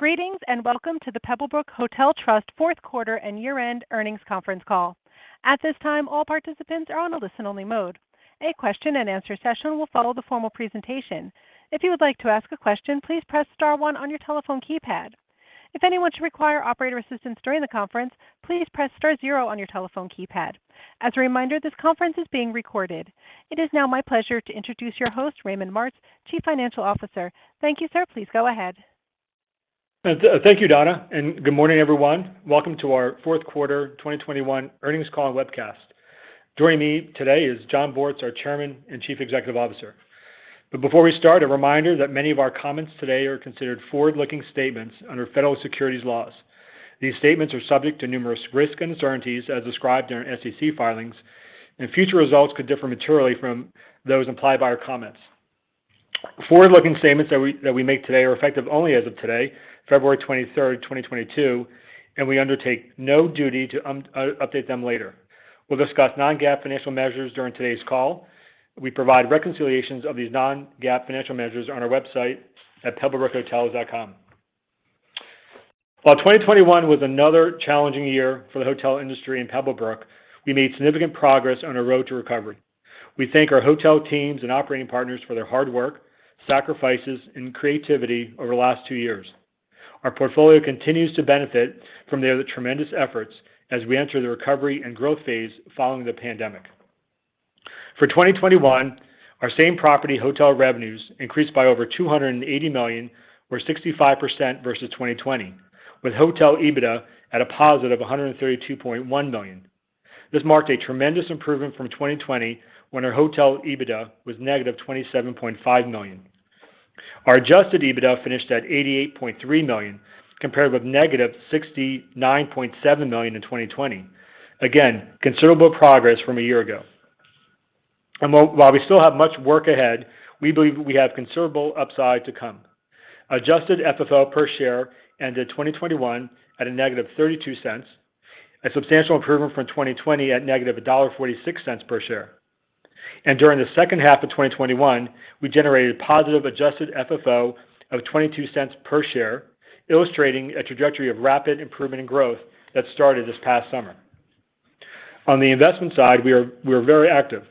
Greetings, and welcome to the Pebblebrook Hotel Trust fourth quarter and year-end earnings conference call. At this time, all participants are on a listen-only mode. A question-and-answer session will follow the formal presentation. If you would like to ask a question, please press star one on your telephone keypad. If anyone should require operator assistance during the conference, please press star zero on your telephone keypad. As a reminder, this conference is being recorded. It is now my pleasure to introduce your host, Raymond Martz, Chief Financial Officer. Thank you, sir. Please go ahead. Thank you, Donna, and good morning, everyone. Welcome to our fourth quarter 2021 earnings call and webcast. Joining me today is Jon E. Bortz, our Chairman and Chief Executive Officer. Before we start, a reminder that many of our comments today are considered forward-looking statements under federal securities laws. These statements are subject to numerous risks and uncertainties as described in our SEC filings, and future results could differ materially from those implied by our comments. Forward-looking statements that we make today are effective only as of today, February 23rd, 2022, and we undertake no duty to update them later. We'll discuss non-GAAP financial measures during today's call. We provide reconciliations of these non-GAAP financial measures on our website at pebblebrookhotels.com. While 2021 was another challenging year for the hotel industry and Pebblebrook, we made significant progress on our road to recovery. We thank our hotel teams and operating partners for their hard work, sacrifices, and creativity over the last two years. Our portfolio continues to benefit from their tremendous efforts as we enter the recovery and growth phase following the pandemic. For 2021, our same property hotel revenues increased by over $280 million, or 65% versus 2020, with hotel EBITDA at a positive $132.1 million. This marked a tremendous improvement from 2020 when our hotel EBITDA was negative $27.5 million. Our adjusted EBITDA finished at $88.3 million, compared with negative $69.7 million in 2020. Again, considerable progress from a year ago. While we still have much work ahead, we believe we have considerable upside to come. Adjusted FFO per share ended 2021 at a -$0.32, a substantial improvement from 2020 at -$1.46 per share. During the second half of 2021, we generated positive adjusted FFO of $0.22 per share, illustrating a trajectory of rapid improvement and growth that started this past summer. On the investment side, we are very active.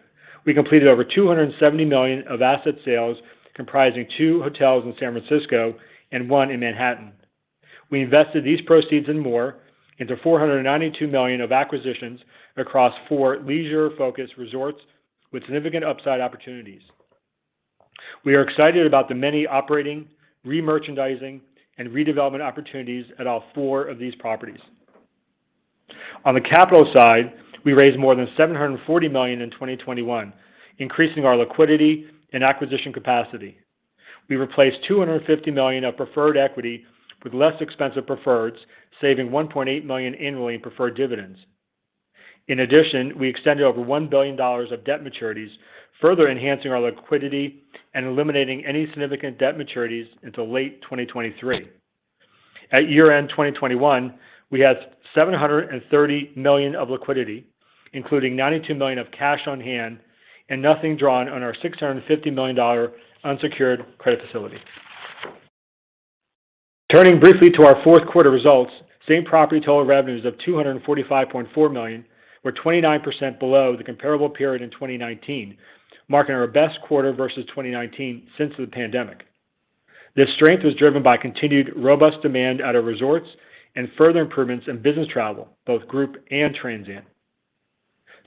We completed over $270 million of asset sales comprising two hotels in San Francisco and one in Manhattan. We invested these proceeds and more into $492 million of acquisitions across four leisure-focused resorts with significant upside opportunities. We are excited about the many operating, remerchandising, and redevelopment opportunities at all four of these properties. On the capital side, we raised more than $740 million in 2021, increasing our liquidity and acquisition capacity. We replaced $250 million of preferred equity with less expensive preferreds, saving $1.8 million annually in preferred dividends. In addition, we extended over $1 billion of debt maturities, further enhancing our liquidity and eliminating any significant debt maturities until late 2023. At year-end 2021, we had $730 million of liquidity, including $92 million of cash on hand and nothing drawn on our $650 million unsecured credit facility. Turning briefly to our fourth quarter results, same property total revenues of $245.4 million were 29% below the comparable period in 2019, marking our best quarter versus 2019 since the pandemic. This strength was driven by continued robust demand at our resorts and further improvements in business travel, both group and transient.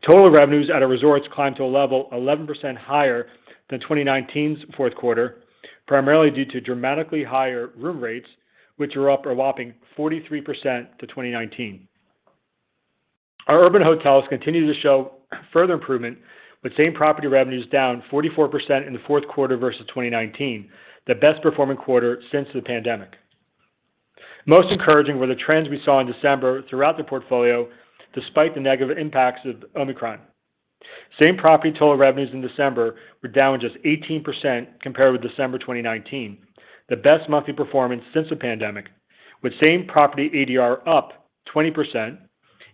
Total revenues at our resorts climbed to a level 11% higher than 2019's fourth quarter, primarily due to dramatically higher room rates, which are up a whopping 43% to 2019. Our urban hotels continue to show further improvement with same property revenues down 44% in the fourth quarter versus 2019, the best performing quarter since the pandemic. Most encouraging were the trends we saw in December throughout the portfolio, despite the negative impacts of Omicron. Same property total revenues in December were down just 18% compared with December 2019, the best monthly performance since the pandemic, with same property ADR up 20%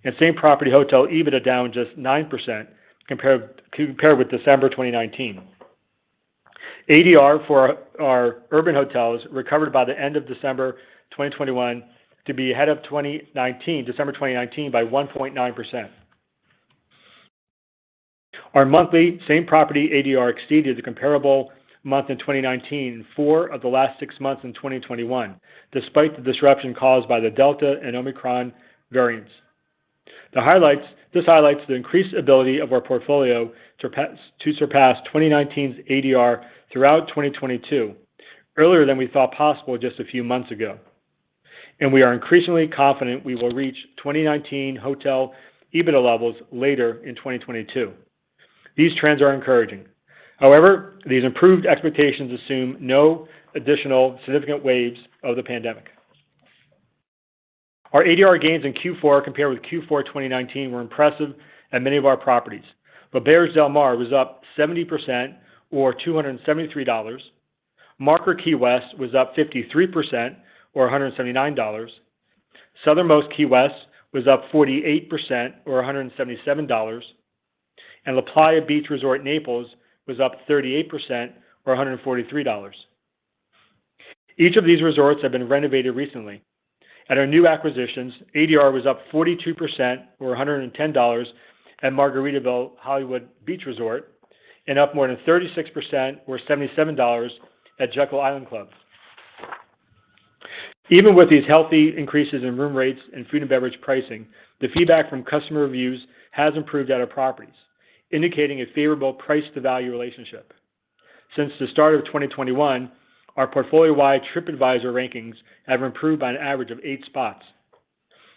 and same property hotel EBITDA down just 9% compared with December 2019. ADR for our urban hotels recovered by the end of December 2021 to be ahead of December 2019 by 1.9%. Our monthly same property ADR exceeded the comparable month in 2019 in four of the last six months in 2021, despite the disruption caused by the Delta and Omicron variants. This highlights the increased ability of our portfolio to surpass 2019's ADR throughout 2022, earlier than we thought possible just a few months ago. We are increasingly confident we will reach 2019 hotel EBITDA levels later in 2022. These trends are encouraging. However, these improved expectations assume no additional significant waves of the pandemic. Our ADR gains in Q4 compared with Q4 2019 were impressive at many of our properties. L'Auberge Del Mar was up 70% or $273. Marker Key West was up 53% or $179. Southernmost Beach Resort was up 48% or $177. LaPlaya Beach & Golf Resort was up 38% or $143. Each of these resorts have been renovated recently. At our new acquisitions, ADR was up 42% or $110 at Margaritaville Hollywood Beach Resort, and up more than 36% or $77 at Jekyll Island Club Resort. Even with these healthy increases in room rates and food and beverage pricing, the feedback from customer reviews has improved at our properties, indicating a favorable price to value relationship. Since the start of 2021, our portfolio-wide Tripadvisor rankings have improved by an average of eight spots.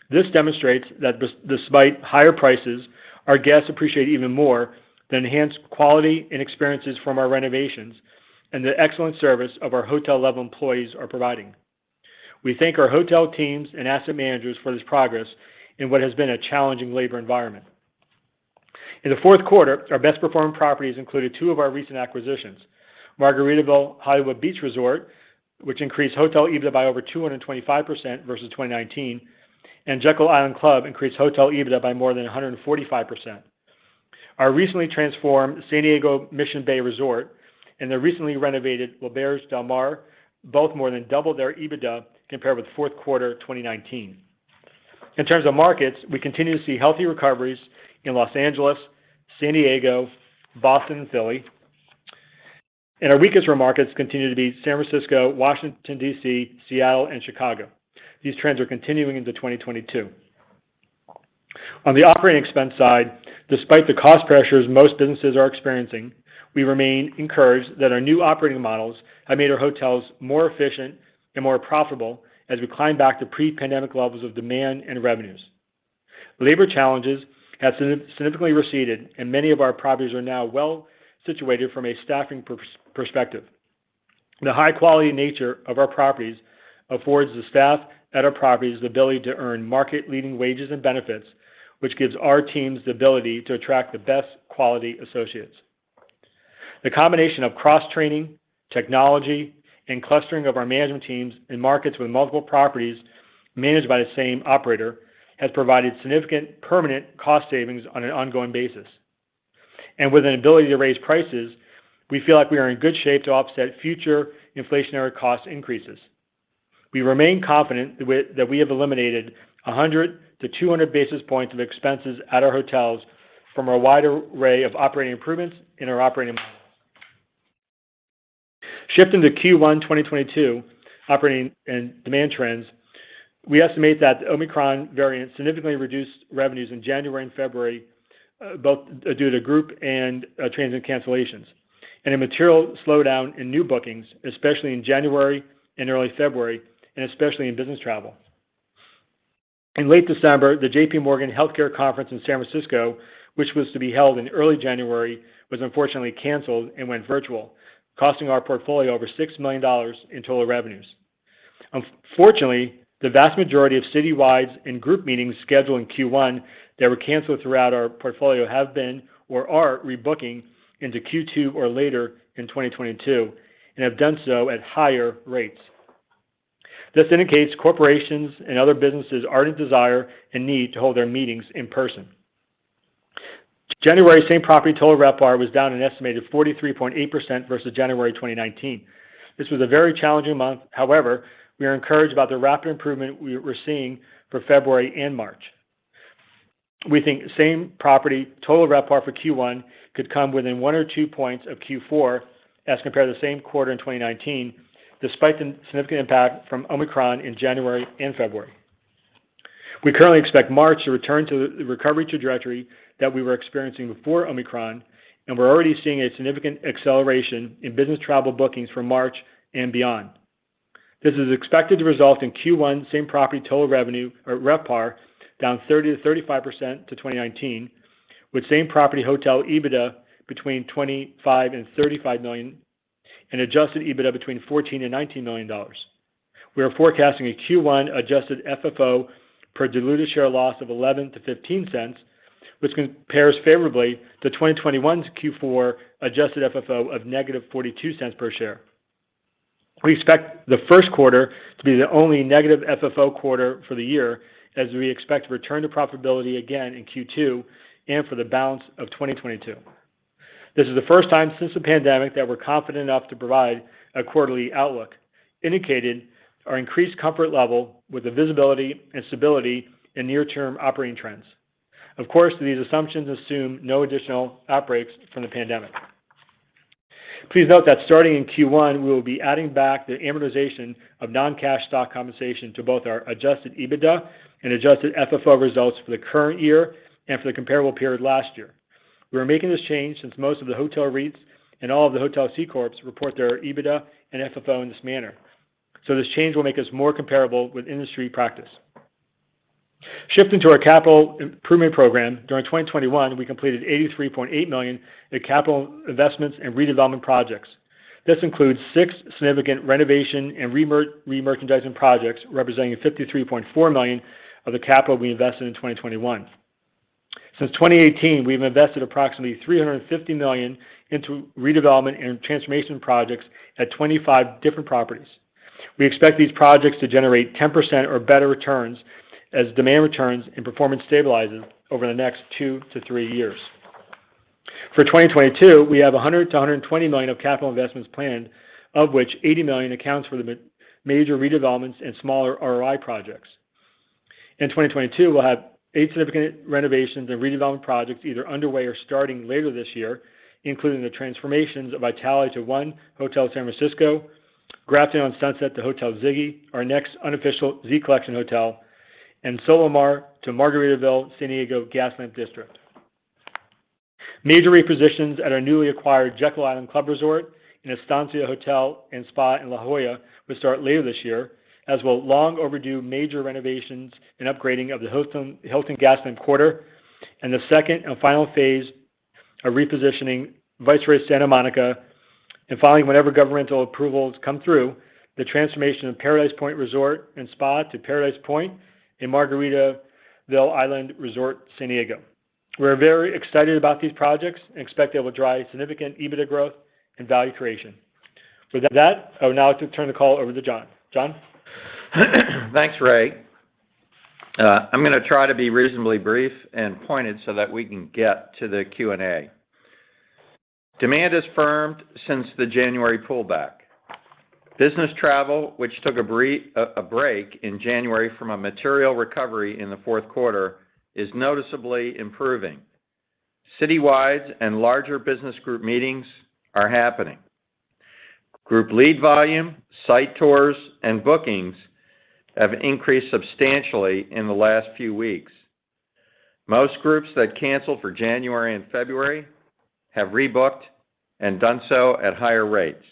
This demonstrates that despite higher prices, our guests appreciate even more the enhanced quality and experiences from our renovations and the excellent service that our hotel-level employees are providing. We thank our hotel teams and asset managers for this progress in what has been a challenging labor environment. In the fourth quarter, our best performing properties included two of our recent acquisitions, Margaritaville Hollywood Beach Resort, which increased hotel EBITDA by over 225% versus 2019, and Jekyll Island Club Resort increased hotel EBITDA by more than 145%. Our recently transformed San Diego Mission Bay Resort and the recently renovated L'Auberge Del Mar, both more than doubled their EBITDA compared with fourth quarter 2019. In terms of markets, we continue to see healthy recoveries in Los Angeles, San Diego, Boston, and Philly. Our weakest markets continue to be San Francisco, Washington, D.C., Seattle, and Chicago. These trends are continuing into 2022. On the operating expense side, despite the cost pressures most businesses are experiencing, we remain encouraged that our new operating models have made our hotels more efficient and more profitable as we climb back to pre-pandemic levels of demand and revenues. Labor challenges have significantly receded, and many of our properties are now well situated from a staffing perspective. The high quality nature of our properties affords the staff at our properties the ability to earn market-leading wages and benefits, which gives our teams the ability to attract the best quality associates. The combination of cross-training, technology, and clustering of our management teams in markets with multiple properties managed by the same operator has provided significant permanent cost savings on an ongoing basis. With an ability to raise prices, we feel like we are in good shape to offset future inflationary cost increases. We remain confident that we have eliminated 100-200 basis points of expenses at our hotels from our wide array of operating improvements in our operating model. Shifting to Q1 2022 operating and demand trends, we estimate that the Omicron variant significantly reduced revenues in January and February, both due to group and transit cancellations, and a material slowdown in new bookings, especially in January and early February, and especially in business travel. In late December, the J.P. Morgan Healthcare Conference in San Francisco, which was to be held in early January, was unfortunately canceled and went virtual, costing our portfolio over $6 million in total revenues. Unfortunately, the vast majority of citywides and group meetings scheduled in Q1 that were canceled throughout our portfolio have been or are rebooking into Q2 or later in 2022, and have done so at higher rates. This indicates corporations and other businesses are in desire and need to hold their meetings in person. January same-property total RevPAR was down an estimated 43.8% versus January 2019. This was a very challenging month. However, we are encouraged about the rapid improvement we're seeing for February and March. We think same-property total RevPAR for Q1 could come within one or two points of Q4 as compared to the same quarter in 2019, despite the significant impact from Omicron in January and February. We currently expect March to return to the recovery trajectory that we were experiencing before Omicron, and we're already seeing a significant acceleration in business travel bookings for March and beyond. This is expected to result in Q1 same-property total revenue or RevPAR down 30%-35% to 2019, with same-property hotel EBITDA between $25 million and $35 million and adjusted EBITDA between $14 million and $19 million. We are forecasting a Q1 adjusted FFO per diluted share loss of $0.11-$0.15, which compares favorably to 2021's Q4 adjusted FFO of -$0.42 per share. We expect the first quarter to be the only negative FFO quarter for the year as we expect to return to profitability again in Q2 and for the balance of 2022. This is the first time since the pandemic that we're confident enough to provide a quarterly outlook, indicating our increased comfort level with the visibility and stability in near term operating trends. Of course, these assumptions assume no additional outbreaks from the pandemic. Please note that starting in Q1, we will be adding back the amortization of non-cash stock compensation to both our adjusted EBITDA and adjusted FFO results for the current year and for the comparable period last year. We are making this change since most of the hotel REITs and all of the hotel C corps report their EBITDA and FFO in this manner. This change will make us more comparable with industry practice. Shifting to our capital improvement program, during 2021, we completed $83.8 million in capital investments and redevelopment projects. This includes six significant renovation and remerchandising projects, representing $53.4 million of the capital we invested in 2021. Since 2018, we've invested approximately $350 million into redevelopment and transformation projects at 25 different properties. We expect these projects to generate 10% or better returns as demand returns and performance stabilizes over the next two to three years. For 2022, we have $100 million-$120 million of capital investments planned, of which $80 million accounts for the major redevelopments and smaller ROI projects. In 2022, we'll have eight significant renovations and redevelopment projects either underway or starting later this year, including the transformations of Hotel Vitale to 1 Hotel San Francisco, Grafton on Sunset to Hotel Ziggy, our next Unofficial Z Collection hotel, and Solamar to Margaritaville Hotel San Diego Gaslamp Quarter. Major repositions at our newly acquired Jekyll Island Club Resort and Estancia La Jolla Hotel & Spa in La Jolla will start later this year, as will long overdue major renovations and upgrading of the Hilton San Diego Gaslamp Quarter, and the second and final phase of repositioning Viceroy Santa Monica. Finally, whenever governmental approvals come through, the transformation of Paradise Point Resort & Spa to Paradise Point in Margaritaville Island Resort, San Diego. We're very excited about these projects and expect they will drive significant EBITDA growth and value creation. With that, I would now like to turn the call over to Jon. Jon? Thanks, Ray. I'm gonna try to be reasonably brief and pointed so that we can get to the Q&A. Demand has firmed since the January pullback. Business travel, which took a break in January from a material recovery in the fourth quarter, is noticeably improving. Citywide and larger business group meetings are happening. Group lead volume, site tours, and bookings have increased substantially in the last few weeks. Most groups that canceled for January and February have rebooked and done so at higher rates.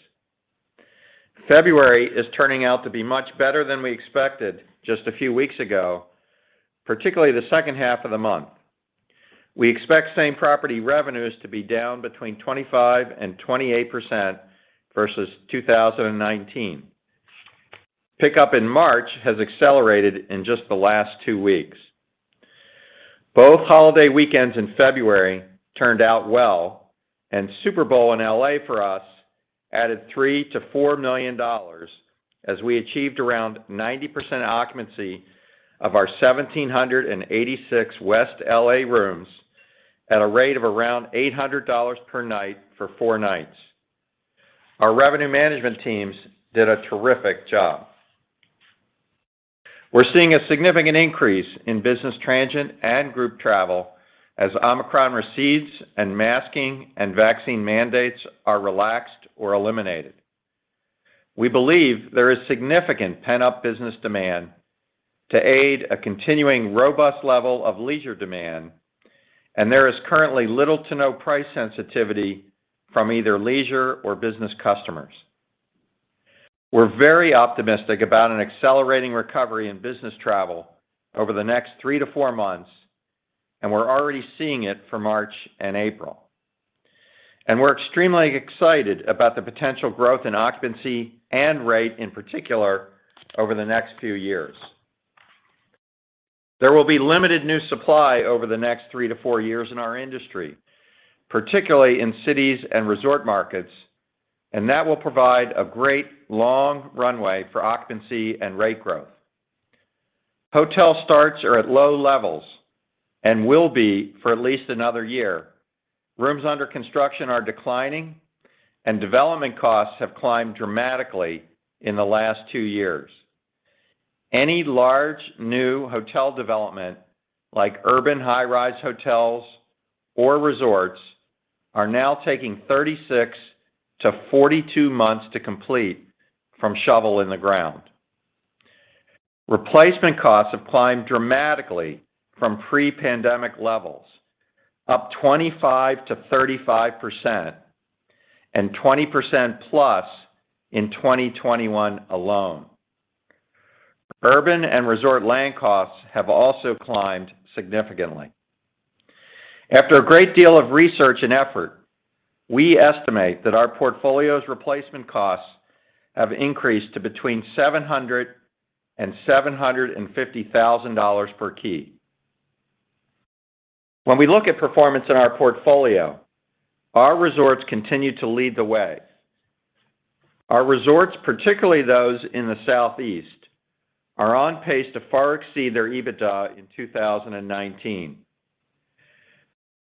February is turning out to be much better than we expected just a few weeks ago, particularly the second half of the month. We expect same-property revenues to be down between 25% and 28% versus 2019. Pickup in March has accelerated in just the last two weeks. Both holiday weekends in February turned out well, and Super Bowl in L.A. for us added $3 million-$4 million as we achieved around 90% occupancy of our 1,786 West L.A. rooms at a rate of around $800 per night for four nights. Our revenue management teams did a terrific job. We're seeing a significant increase in business transient and group travel as Omicron recedes and masking and vaccine mandates are relaxed or eliminated. We believe there is significant pent-up business demand to aid a continuing robust level of leisure demand, and there is currently little to no price sensitivity from either leisure or business customers. We're very optimistic about an accelerating recovery in business travel over the next three to four months, and we're already seeing it for March and April. We're extremely excited about the potential growth in occupancy and rate, in particular, over the next few years. There will be limited new supply over the next three to four years in our industry, particularly in cities and resort markets, and that will provide a great long runway for occupancy and rate growth. Hotel starts are at low levels and will be for at least another year. Rooms under construction are declining, and development costs have climbed dramatically in the last two years. Any large new hotel development, like urban high-rise hotels or resorts, are now taking 36-42 months to complete from shovel in the ground. Replacement costs have climbed dramatically from pre-pandemic levels, up 25%-35% and 20%+ in 2021 alone. Urban and resort land costs have also climbed significantly. After a great deal of research and effort, we estimate that our portfolio's replacement costs have increased to between $700,000-$750,000 per key. When we look at performance in our portfolio, our resorts continue to lead the way. Our resorts, particularly those in the Southeast, are on pace to far exceed their EBITDA in 2019.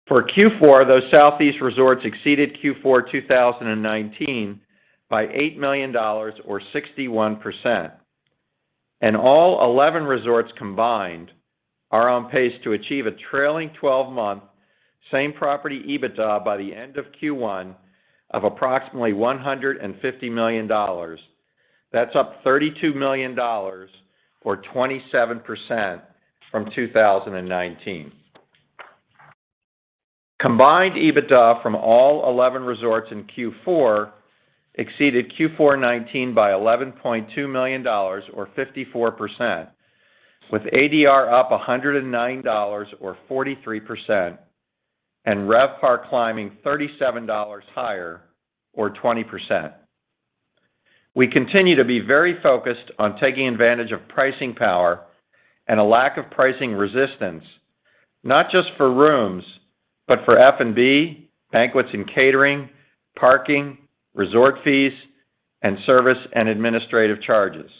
For Q4, those Southeast resorts exceeded Q4 2019 by $8 million or 61%. All 11 resorts combined are on pace to achieve a trailing twelve-month same-property EBITDA by the end of Q1 of approximately $150 million. That's up $32 million or 27% from 2019. Combined EBITDA from all 11 resorts in Q4 exceeded Q4 2019 by $11.2 million or 54%, with ADR up $109 or 43%, and RevPAR climbing $37 higher or 20%. We continue to be very focused on taking advantage of pricing power and a lack of pricing resistance. Not just for rooms, but for F&B, banquets and catering, parking, resort fees, and service and administrative charges.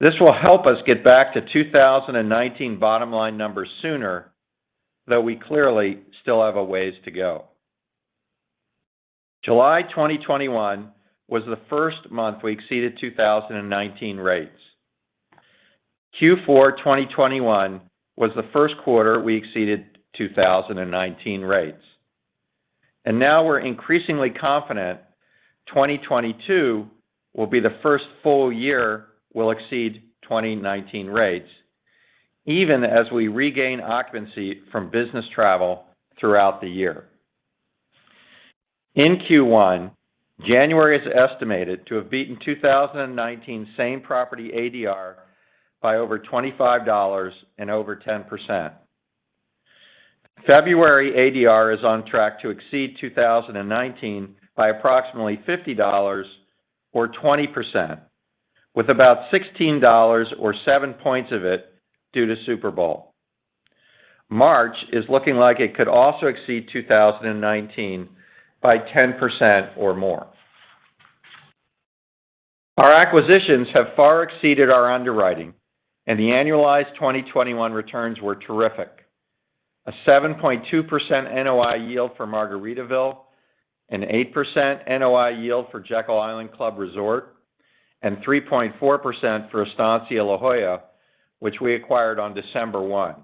This will help us get back to 2019 bottom line numbers sooner, though we clearly still have a ways to go. July 2021 was the first month we exceeded 2019 rates. Q4 2021 was the first quarter we exceeded 2019 rates. Now we're increasingly confident 2022 will be the first full year we'll exceed 2019 rates, even as we regain occupancy from business travel throughout the year. In Q1, January is estimated to have beaten 2019 same-property ADR by over $25 and over 10%. February ADR is on track to exceed 2019 by approximately $50 or 20%, with about $16 or 7 points of it due to Super Bowl. March is looking like it could also exceed 2019 by 10% or more. Our acquisitions have far exceeded our underwriting, and the annualized 2021 returns were terrific. A 7.2% NOI yield for Margaritaville, an 8% NOI yield for Jekyll Island Club Resort, and 3.4% for Estancia La Jolla, which we acquired on December 1.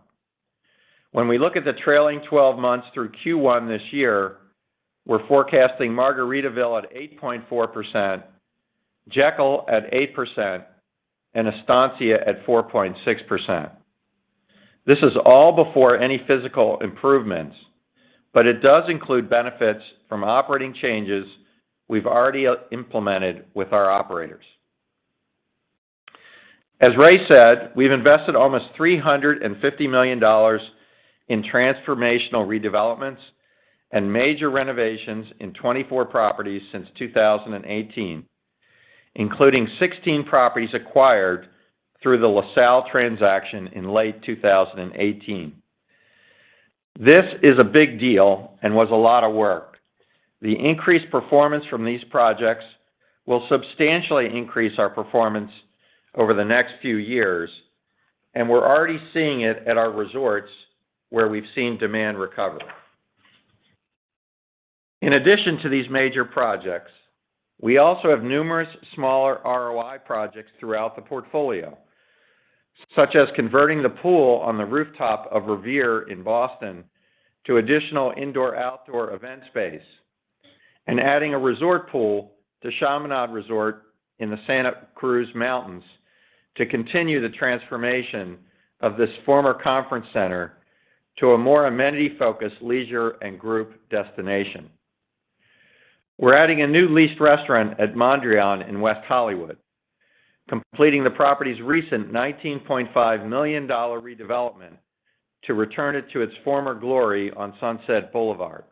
When we look at the trailing 12 months through Q1 this year, we're forecasting Margaritaville at 8.4%, Jekyll at 8%, and Estancia at 4.6%. This is all before any physical improvements, but it does include benefits from operating changes we've already implemented with our operators. As Ray said, we've invested almost $350 million in transformational redevelopments and major renovations in 24 properties since 2018, including 16 properties acquired through the LaSalle transaction in late 2018. This is a big deal and was a lot of work. The increased performance from these projects will substantially increase our performance over the next few years, and we're already seeing it at our resorts where we've seen demand recover. In addition to these major projects, we also have numerous smaller ROI projects throughout the portfolio, such as converting the pool on the rooftop of Revere in Boston to additional indoor-outdoor event space and adding a resort pool to Chaminade Resort in the Santa Cruz Mountains to continue the transformation of this former conference center to a more amenity-focused leisure and group destination. We're adding a new leased restaurant at Mondrian in West Hollywood, completing the property's recent $19.5 million redevelopment to return it to its former glory on Sunset Boulevard.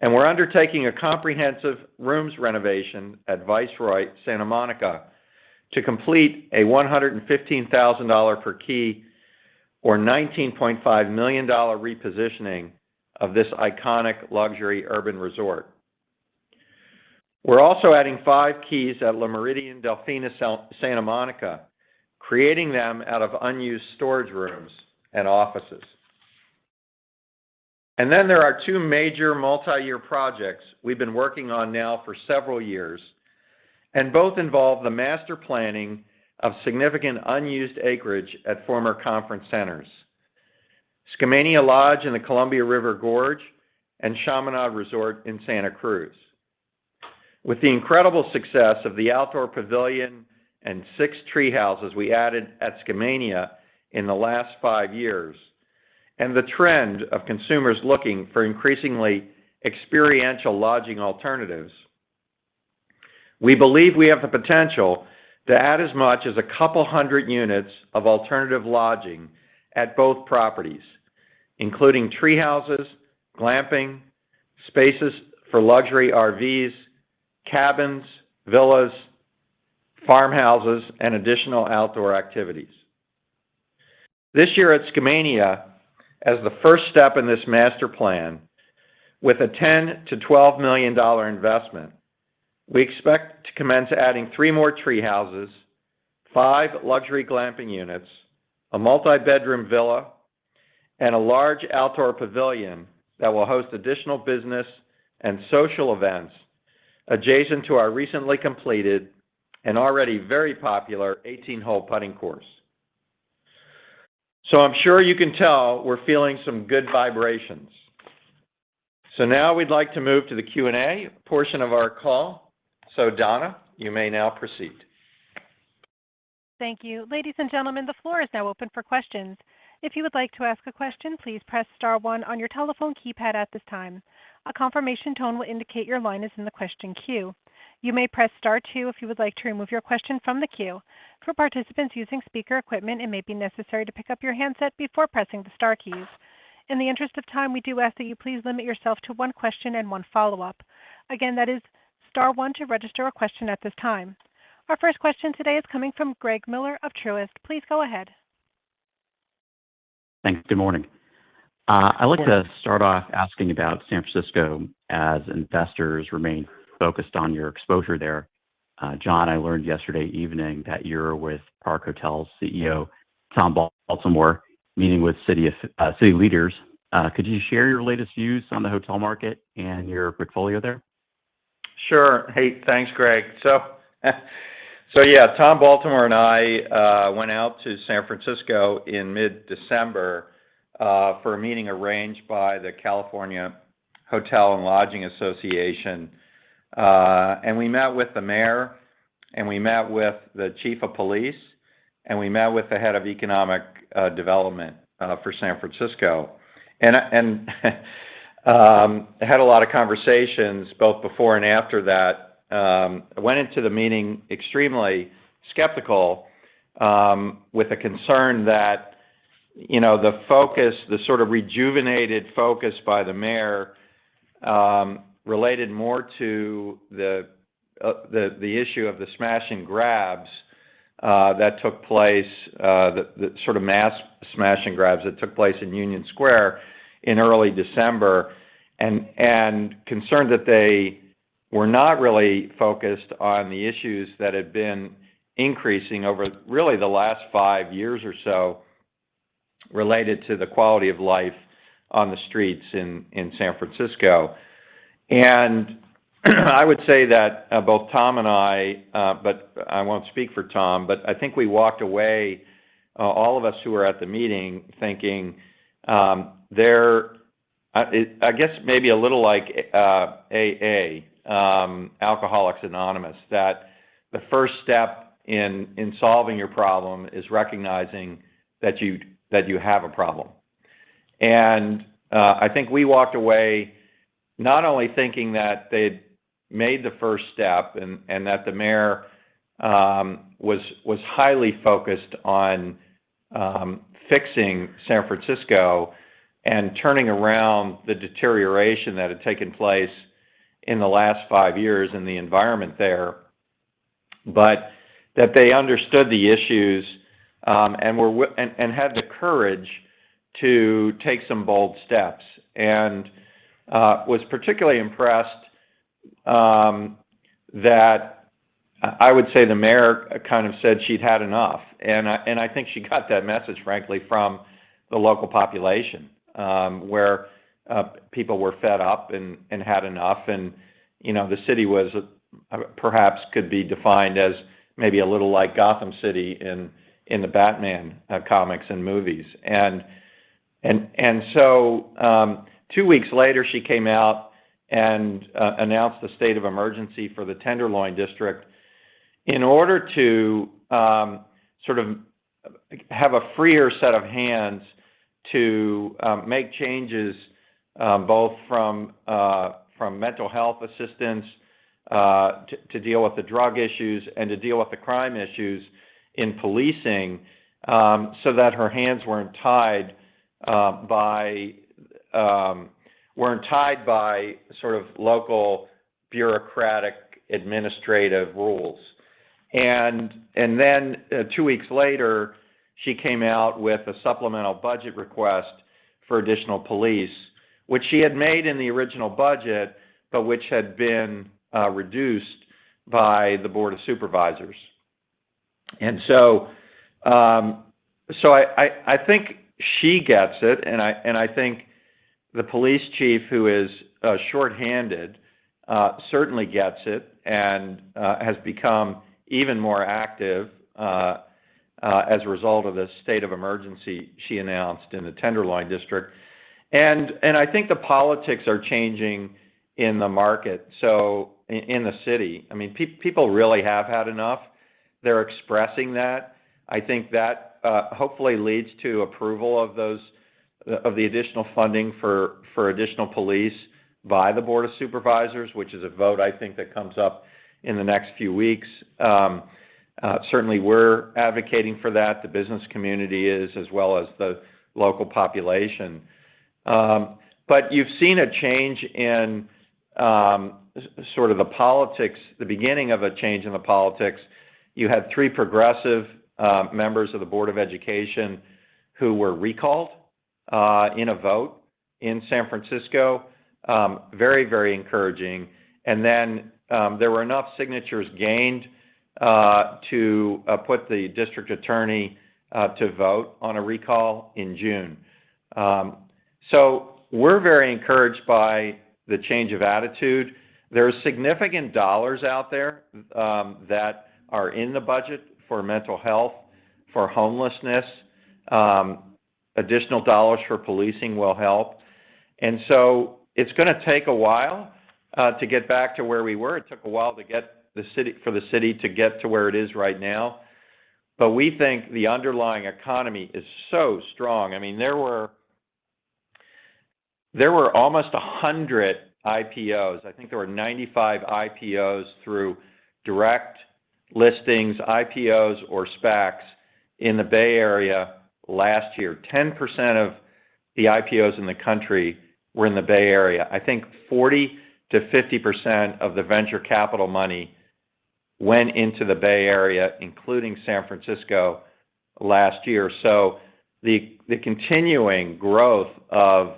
We're undertaking a comprehensive rooms renovation at Viceroy Santa Monica to complete a $115,000 per key or $19.5 million repositioning of this iconic luxury urban resort. We're also adding five keys at Le Méridien Delfina Santa Monica, creating them out of unused storage rooms and offices. There are two major multi-year projects we've been working on now for several years, and both involve the master planning of significant unused acreage at former conference centers, Skamania Lodge in the Columbia River Gorge and Chaminade Resort in Santa Cruz. With the incredible success of the outdoor pavilion and six tree houses we added at Skamania in the last five years, and the trend of consumers looking for increasingly experiential lodging alternatives, we believe we have the potential to add as much as a couple hundred units of alternative lodging at both properties, including tree houses, glamping, spaces for luxury RVs, cabins, villas, farmhouses, and additional outdoor activities. This year at Skamania, as the first step in this master plan, with a $10 million-$12 million investment, we expect to commence adding three more tree houses, five luxury glamping units, a multi-bedroom villa, and a large outdoor pavilion that will host additional business and social events adjacent to our recently completed and already very popular 18-hole putting course. I'm sure you can tell we're feeling some good vibrations. Now we'd like to move to the Q&A portion of our call. Donna, you may now proceed. Thank you. Ladies and gentlemen, the floor is now open for questions. If you would like to ask a question, please press star one on your telephone keypad at this time. A confirmation tone will indicate your line is in the question queue. You may press star two if you would like to remove your question from the queue. For participants using speaker equipment, it may be necessary to pick up your handset before pressing the star keys. In the interest of time, we do ask that you please limit yourself to one question and one follow-up. Again, that is star one to register a question at this time. Our first question today is coming from Greg Miller of Truist. Please go ahead. Thanks. Good morning. Yes. I'd like to start off asking about San Francisco as investors remain focused on your exposure there. Jon, I learned yesterday evening that you're with Park Hotels CEO Tom Baltimore, meeting with city leaders. Could you share your latest views on the hotel market and your portfolio there? Sure. Hey, thanks, Greg. Yeah, Tom Baltimore and I went out to San Francisco in mid-December for a meeting arranged by the California Hotel & Lodging Association. We met with the mayor, and we met with the chief of police, and we met with the head of economic development for San Francisco, had a lot of conversations both before and after that. I went into the meeting extremely skeptical, with a concern that, you know, the focus, the sort of rejuvenated focus by the mayor, related more to the issue of the smash and grabs that took place, the sort of mass smash and grabs that took place in Union Square in early December, and concerned that they were not really focused on the issues that had been increasing over really the last five years or so related to the quality of life on the streets in San Francisco. I would say that both Tom and I, but I won't speak for Tom, but I think we walked away, all of us who were at the meeting thinking, there. I guess maybe a little like AA, Alcoholics Anonymous, that the first step in solving your problem is recognizing that you have a problem. I think we walked away not only thinking that they'd made the first step and that the mayor was highly focused on fixing San Francisco and turning around the deterioration that had taken place in the last five years in the environment there, but that they understood the issues and had the courage to take some bold steps. I was particularly impressed that I would say the mayor kind of said she'd had enough, and I think she got that message, frankly, from the local population, where people were fed up and had enough. You know, the city was perhaps could be defined as maybe a little like Gotham City in the Batman comics and movies. Two weeks later, she came out and announced the state of emergency for the Tenderloin District in order to sort of have a freer set of hands to make changes both from mental health assistance to deal with the drug issues and to deal with the crime issues in policing so that her hands weren't tied by sort of local bureaucratic administrative rules. Two weeks later, she came out with a supplemental budget request for additional police, which she had made in the original budget, but which had been reduced by the Board of Supervisors. I think she gets it, and I think the police chief, who is short-handed, certainly gets it and has become even more active as a result of this state of emergency she announced in the Tenderloin District. I think the politics are changing in the market, in the city. I mean, people really have had enough. They're expressing that. I think that hopefully leads to approval of the additional funding for additional police by the Board of Supervisors, which is a vote, I think, that comes up in the next few weeks. Certainly we're advocating for that. The business community is, as well as the local population. You've seen a change in sort of the politics, the beginning of a change in the politics. You had three progressive members of the San Francisco Board of Education who were recalled in a vote in San Francisco. Very, very encouraging. Then, there were enough signatures gained to put the district attorney to vote on a recall in June. We're very encouraged by the change of attitude. There's significant dollars out there that are in the budget for mental health, for homelessness. Additional dollars for policing will help. It's gonna take a while to get back to where we were. It took a while for the city to get to where it is right now. We think the underlying economy is so strong. I mean, there were almost 100 IPOs. I think there were 95 IPOs through direct listings, IPOs or SPACs in the Bay Area last year. 10% of the IPOs in the country were in the Bay Area. I think 40%-50% of the venture capital money went into the Bay Area, including San Francisco last year. The continuing growth of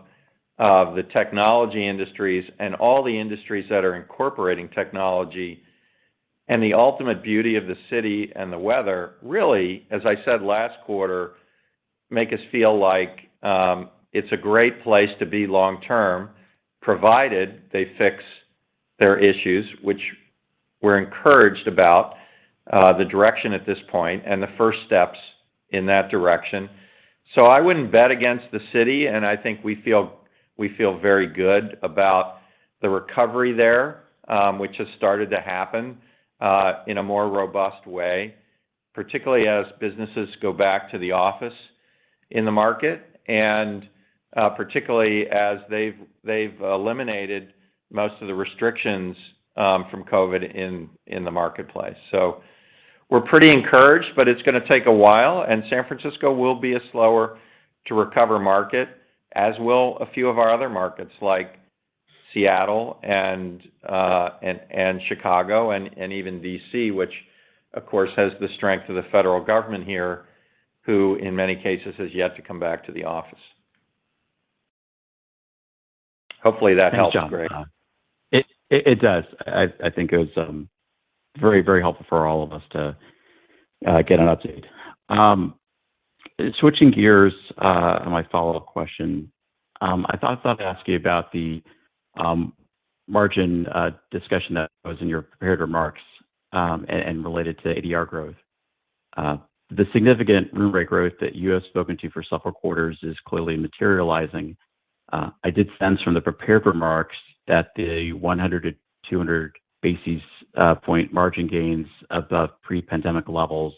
the technology industries and all the industries that are incorporating technology and the ultimate beauty of the city and the weather, really, as I said last quarter, make us feel like it's a great place to be long term, provided they fix their issues which we're encouraged about the direction at this point and the first steps in that direction. I wouldn't bet against the city, and I think we feel very good about the recovery there, which has started to happen in a more robust way, particularly as businesses go back to the office in the market and particularly as they've eliminated most of the restrictions from COVID in the marketplace. We're pretty encouraged, but it's going to take a while, and San Francisco will be a slower-to-recover market, as will a few of our other markets like Seattle and Chicago and even D.C., which of course has the strength of the federal government here, who in many cases has yet to come back to the office. Hopefully that helps, Greg. Thanks, Jon. It does. I think it was very helpful for all of us to get an update. Switching gears on my follow-up question, I thought I'd ask you about the margin discussion that was in your prepared remarks and related to ADR growth. The significant room rate growth that you have spoken to for several quarters is clearly materializing. I did sense from the prepared remarks that the 100-200 basis point margin gains above pre-pandemic levels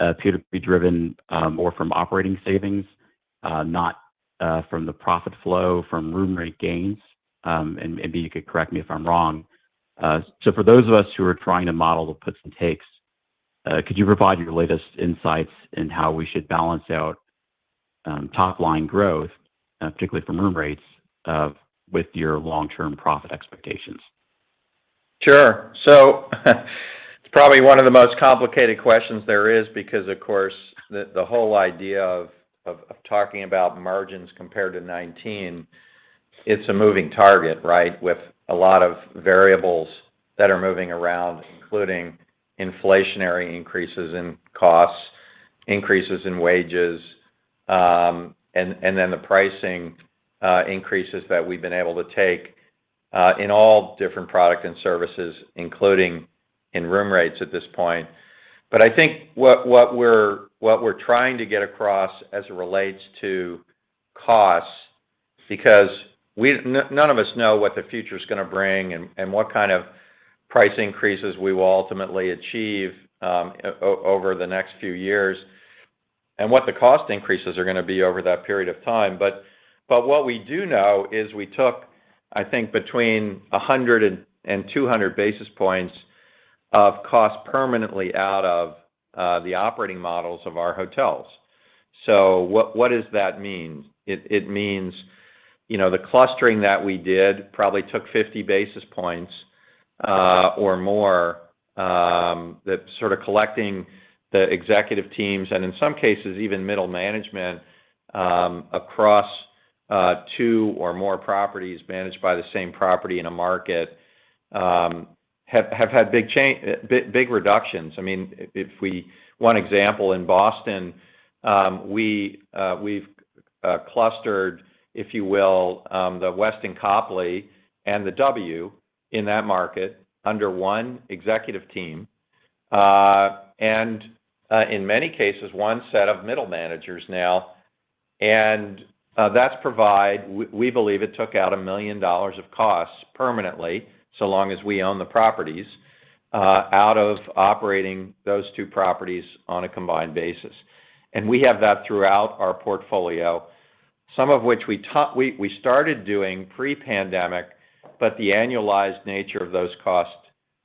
appear to be driven more from operating savings, not from the profit flow from room rate gains. Maybe you could correct me if I'm wrong. For those of us who are trying to model the puts and takes, could you provide your latest insights in how we should balance out top line growth, particularly from room rates, with your long-term profit expectations? Sure. It's probably one of the most complicated questions there is because, of course, the whole idea of talking about margins compared to 2019, it's a moving target, right? With a lot of variables that are moving around, including inflationary increases in costs, increases in wages, and then the pricing increases that we've been able to take in all different products and services, including in room rates at this point. I think what we're trying to get across as it relates to costs, because none of us know what the future is going to bring and what kind of price increases we will ultimately achieve over the next few years and what the cost increases are going to be over that period of time. What we do know is we took, I think, between 100 and 200 basis points of cost permanently out of the operating models of our hotels. What does that mean? It means, you know, the clustering that we did probably took 50 basis points or more, that sort of collecting the executive teams and in some cases even middle management across two or more properties managed by the same operator in a market have had big reductions. I mean, one example in Boston, we've clustered, if you will, The Westin Copley Place and the W in that market under one executive team, and in many cases, one set of middle managers now, and we believe it took out $1 million of costs permanently, so long as we own the properties, out of operating those two properties on a combined basis. We have that throughout our portfolio, some of which we started doing pre-pandemic, but the annualized nature of those cost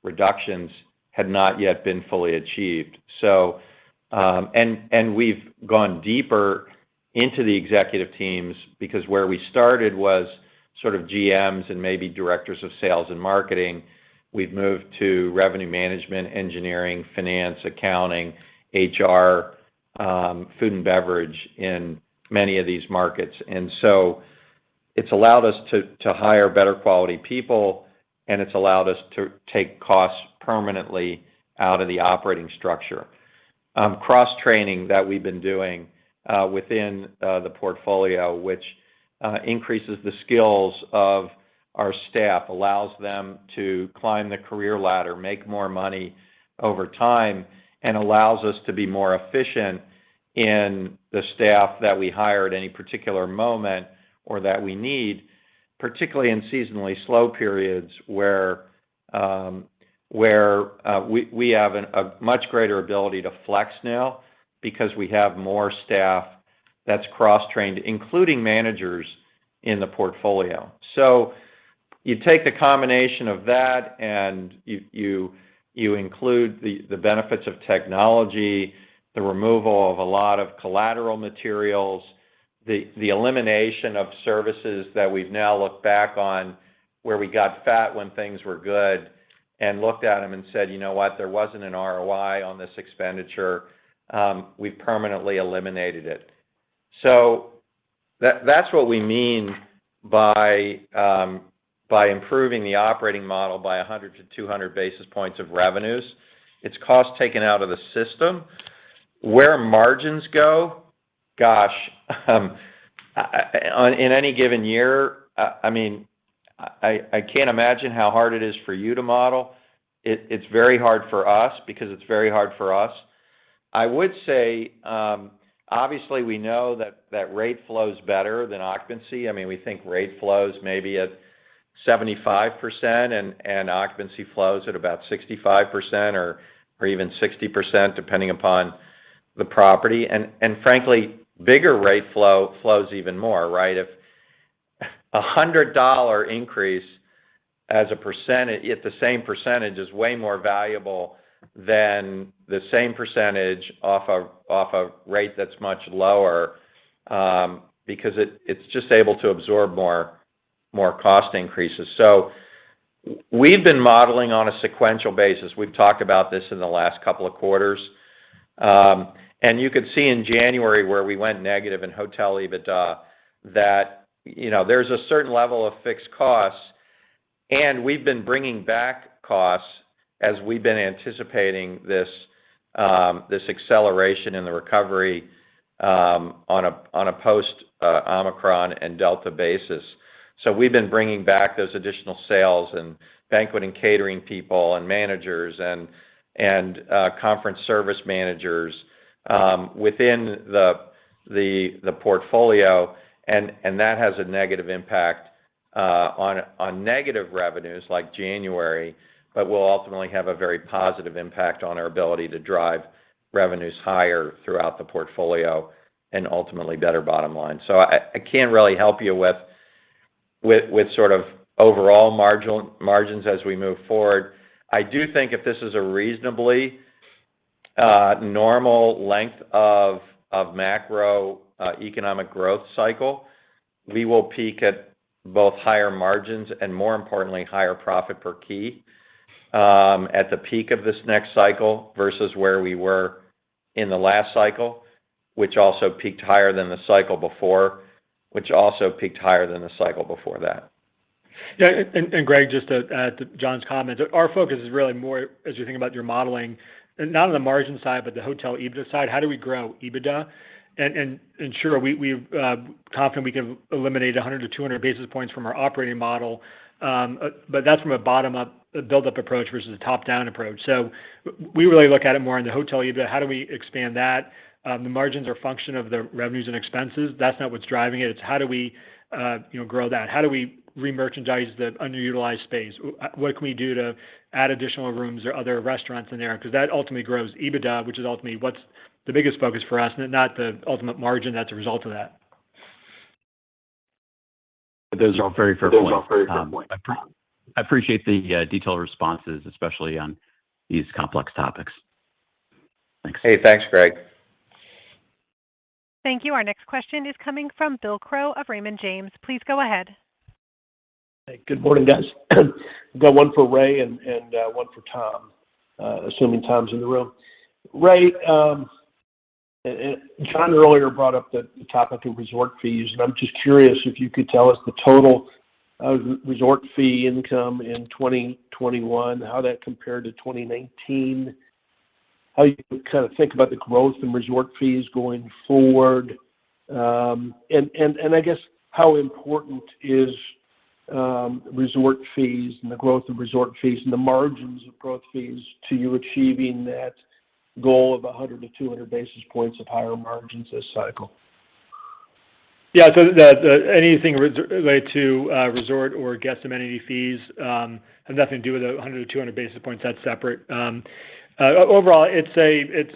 reductions had not yet been fully achieved. We've gone deeper into the executive teams because where we started was sort of GMs and maybe directors of sales and marketing. We've moved to revenue management, engineering, finance, accounting, HR, food and beverage in many of these markets. It's allowed us to hire better quality people, and it's allowed us to take costs permanently out of the operating structure. Cross-training that we've been doing within the portfolio, which increases the skills of our staff, allows them to climb the career ladder, make more money over time, and allows us to be more efficient in the staff that we hire at any particular moment or that we need. Particularly in seasonally slow periods where we have a much greater ability to flex now because we have more staff that's cross-trained, including managers in the portfolio. You take the combination of that and you include the benefits of technology, the removal of a lot of collateral materials, the elimination of services that we've now looked back on where we got fat when things were good and looked at them and said, "You know what? There wasn't an ROI on this expenditure." We permanently eliminated it. That's what we mean by improving the operating model by 100-200 basis points of revenues. It's cost taken out of the system. Where margins go, gosh, in any given year, I mean, I can't imagine how hard it is for you to model. It's very hard for us because it's very hard for us. I would say, obviously, we know that that rate flows better than occupancy I mean, we think rate growth maybe at 75% and occupancy growth at about 65% or even 60%, depending upon the property. Frankly, bigger rate growth even more, right? If a $100 increase as a percent at the same percentage is way more valuable than the same percentage off a rate that's much lower, because it's just able to absorb more cost increases. We've been modeling on a sequential basis. We've talked about this in the last couple of quarters. You could see in January where we went negative in hotel EBITDA that you know, there's a certain level of fixed costs, and we've been bringing back costs as we've been anticipating this acceleration in the recovery on a post-Omicron and Delta basis. We've been bringing back those additional sales and banquet and catering people and managers and conference service managers within the portfolio and that has a negative impact on negative revenues like January, but will ultimately have a very positive impact on our ability to drive revenues higher throughout the portfolio and ultimately better bottom line. I can't really help you with sort of overall margins as we move forward. I do think if this is a reasonably normal length of macro economic growth cycle, we will peak at both higher margins and more importantly, higher profit per key at the peak of this next cycle versus where we were in the last cycle, which also peaked higher than the cycle before, which also peaked higher than the cycle before that. Yeah. Greg, just to add to Jon's comment, our focus is really more as you think about your modeling, not on the margin side, but the hotel EBITDA side. How do we grow EBITDA? Sure, we're confident we can eliminate 100-200 basis points from our operating model, but that's from a bottom-up buildup approach versus a top-down approach. We really look at it more in the hotel EBITDA. How do we expand that? The margins are a function of the revenues and expenses. That's not what's driving it. It's how do we you know grow that? How do we remerchandise the underutilized space? What can we do to add additional rooms or other restaurants in there? Because that ultimately grows EBITDA, which is ultimately what's the biggest focus for us, not the ultimate margin that's a result of that. Those are all very fair points. I appreciate the detailed responses, especially on these complex topics. Thanks. Hey, thanks, Greg. Thank you. Our next question is coming from Bill Crow of Raymond James. Please go ahead. Good morning, guys. Got one for Ray and one for Tom, assuming Tom's in the room. Ray, Jon earlier brought up the topic of resort fees, and I'm just curious if you could tell us the total of resort fee income in 2021, how that compared to 2019, how you kind of think about the growth in resort fees going forward. I guess how important is resort fees and the growth of resort fees and the margins of growth fees to you achieving that goal of 100-200 basis points of higher margins this cycle? The anything resort-related to resort or guest amenity fees has nothing to do with the 100-200 basis points. That's separate. Overall, it's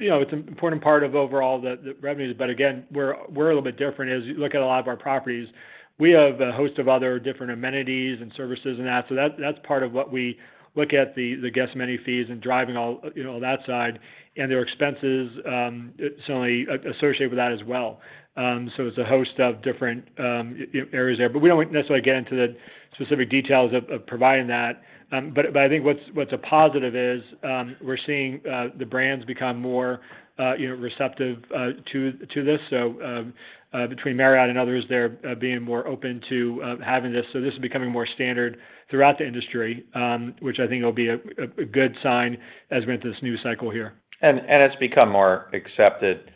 you know, it's an important part of overall the revenues. But again, we're a little bit different as you look at a lot of our properties, we have a host of other different amenities and services and that, so that's part of what we look at the guest amenity fees and driving all, you know, all that side, and there are expenses certainly associated with that as well. It's a host of different areas there. But we don't necessarily get into the specific details of providing that. I think what's a positive is we're seeing the brands become more you know receptive to this. Between Marriott and others, they're being more open to having this. This is becoming more standard throughout the industry, which I think will be a good sign as we enter this new cycle here. It's become more accepted,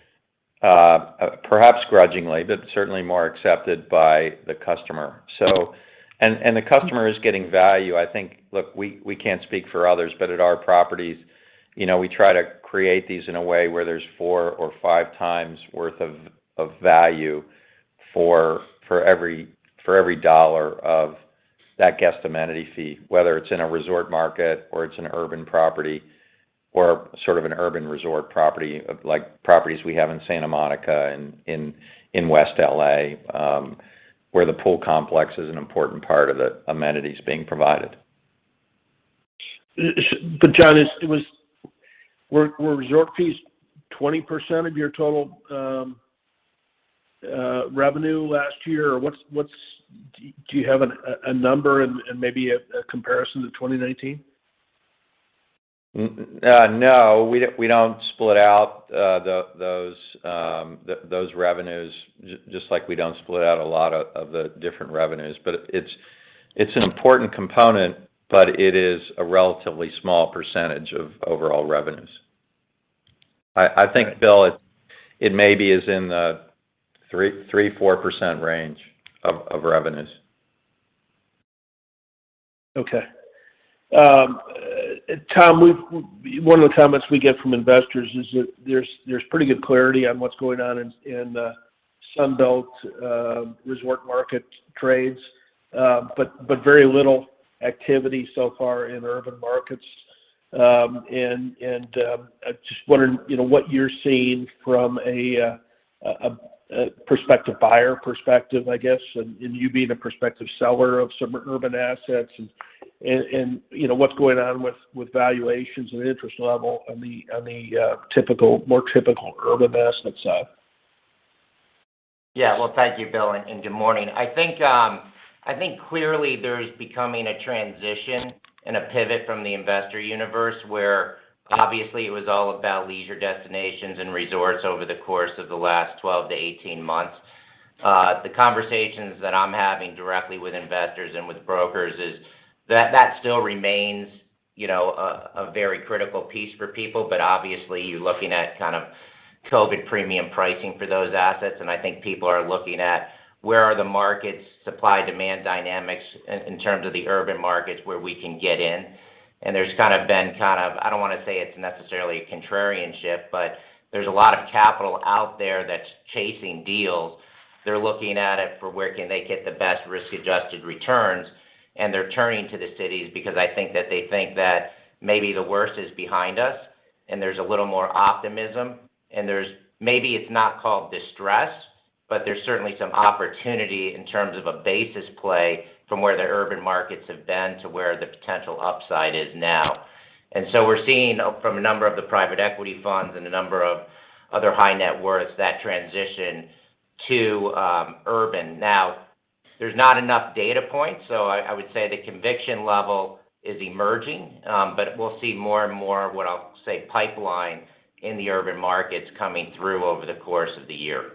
perhaps grudgingly, but certainly more accepted by the customer. The customer is getting value. I think. Look, we can't speak for others, but at our properties, you know, we try to create these in a way where there's 4x or 5x worth of value for every dollar of that guest amenity fee, whether it's in a resort market or it's an urban property or sort of an urban resort property, like properties we have in Santa Monica and in West L.A., where the pool complex is an important part of the amenities being provided. Jon, were resort fees 20% of your total revenue last year? Or do you have a number and maybe a comparison to 2019? No. We don't split out those revenues just like we don't split out a lot of the different revenues. It's an important component, but it is a relatively small percentage of overall revenues. I think, Bill, it may be in the 3%-4% range of revenues. Okay. Tom, one of the comments we get from investors is that there's pretty good clarity on what's going on in Sunbelt resort market trades, but very little activity so far in urban markets. Just wondering, you know, what you're seeing from a prospective buyer perspective, I guess, and you being a prospective seller of some urban assets and you know, what's going on with valuations and interest level on the more typical urban assets side. Yeah. Well, thank you, Bill, and good morning. I think clearly there is becoming a transition and a pivot from the investor universe where obviously it was all about leisure destinations and resorts over the course of the last 12-18 months. The conversations that I'm having directly with investors and with brokers is that that still remains, you know, a very critical piece for people, but obviously you're looking at kind of COVID premium pricing for those assets. I think people are looking at where are the markets' supply demand dynamics in terms of the urban markets where we can get in. There's kind of been, I don't want to say it's necessarily a contrarian shift, but there's a lot of capital out there that's chasing deals. They're looking at it for where can they get the best risk-adjusted returns, and they're turning to the cities because I think that they think that maybe the worst is behind us and there's a little more optimism. Maybe it's not called distress, but there's certainly some opportunity in terms of a basis play from where the urban markets have been to where the potential upside is now. We're seeing from a number of the private equity funds and a number of other high net worths that transition to urban. There's not enough data points, so I would say the conviction level is emerging. But we'll see more and more what I'll say pipeline in the urban markets coming through over the course of the year.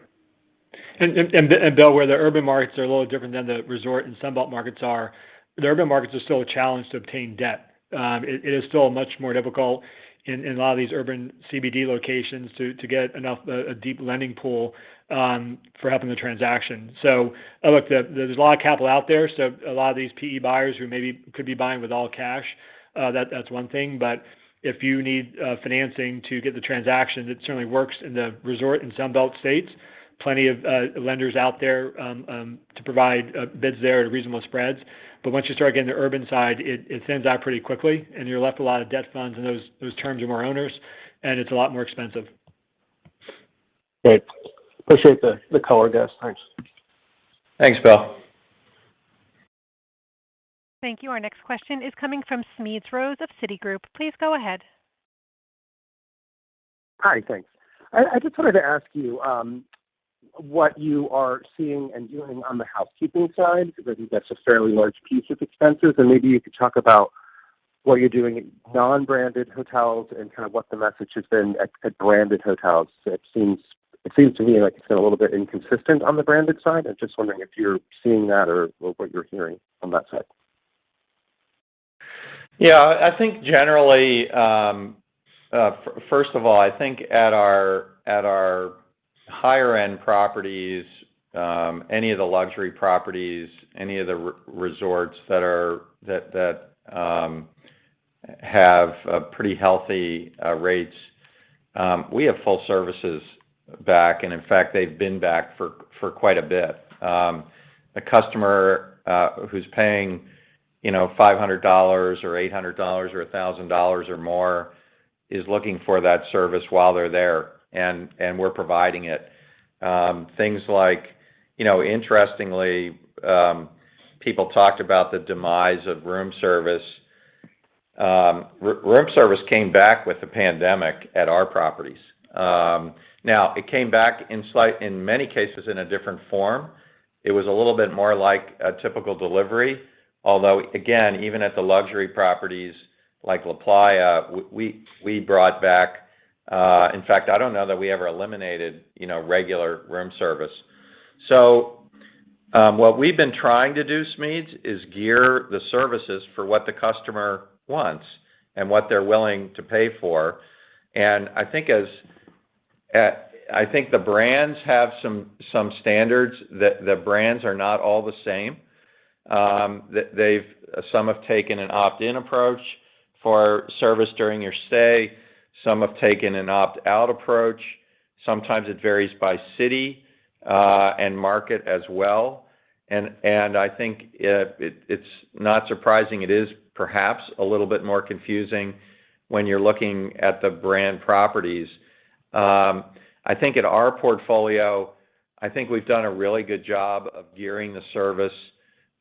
Bill, where the urban markets are a little different than the resort and Sunbelt markets are, the urban markets are still a challenge to obtain debt. It is still much more difficult in a lot of these urban CBD locations to get a deep lending pool for helping the transaction. Look, there's a lot of capital out there, so a lot of these PE buyers who maybe could be buying with all cash, that's one thing, but if you need financing to get the transaction, it certainly works in the resort and Sunbelt states. Plenty of lenders out there to provide bids there at reasonable spreads. Once you start getting to urban side, it thins out pretty quickly and you're left with a lot of debt funds, and those terms are more onerous, and it's a lot more expensive. Great. Appreciate the color, guys. Thanks. Thanks, Bill. Thank you. Our next question is coming from Smedes Rose of Citigroup. Please go ahead. Hi. Thanks. I just wanted to ask you what you are seeing and doing on the housekeeping side, because I think that's a fairly large piece of expenses. Maybe you could talk about what you're doing at non-branded hotels and kind of what the message has been at branded hotels. It seems to me, like you said, a little bit inconsistent on the branded side. I'm just wondering if you're seeing that or what you're hearing on that side. Yeah. I think generally, first of all, I think at our higher end properties, any of the luxury properties, any of the resorts that have pretty healthy rates, we have full services back. In fact, they've been back for quite a bit. A customer who's paying, you know, $500 or $800 or $1,000 or more is looking for that service while they're there, and we're providing it. Things like, you know, interestingly, people talked about the demise of room service. Room service came back with the pandemic at our properties. Now it came back in many cases in a different form. It was a little bit more like a typical delivery. Although, again, even at the luxury properties like LaPlaya, we brought back. In fact, I don't know that we ever eliminated, you know, regular room service. What we've been trying to do, Smedes, is gear the services for what the customer wants and what they're willing to pay for. I think the brands have some standards. The brands are not all the same. Some have taken an opt-in approach for service during your stay. Some have taken an opt-out approach. Sometimes it varies by city and market as well. I think it is not surprising. It is perhaps a little bit more confusing when you're looking at the brand properties. I think in our portfolio, I think we've done a really good job of gearing the service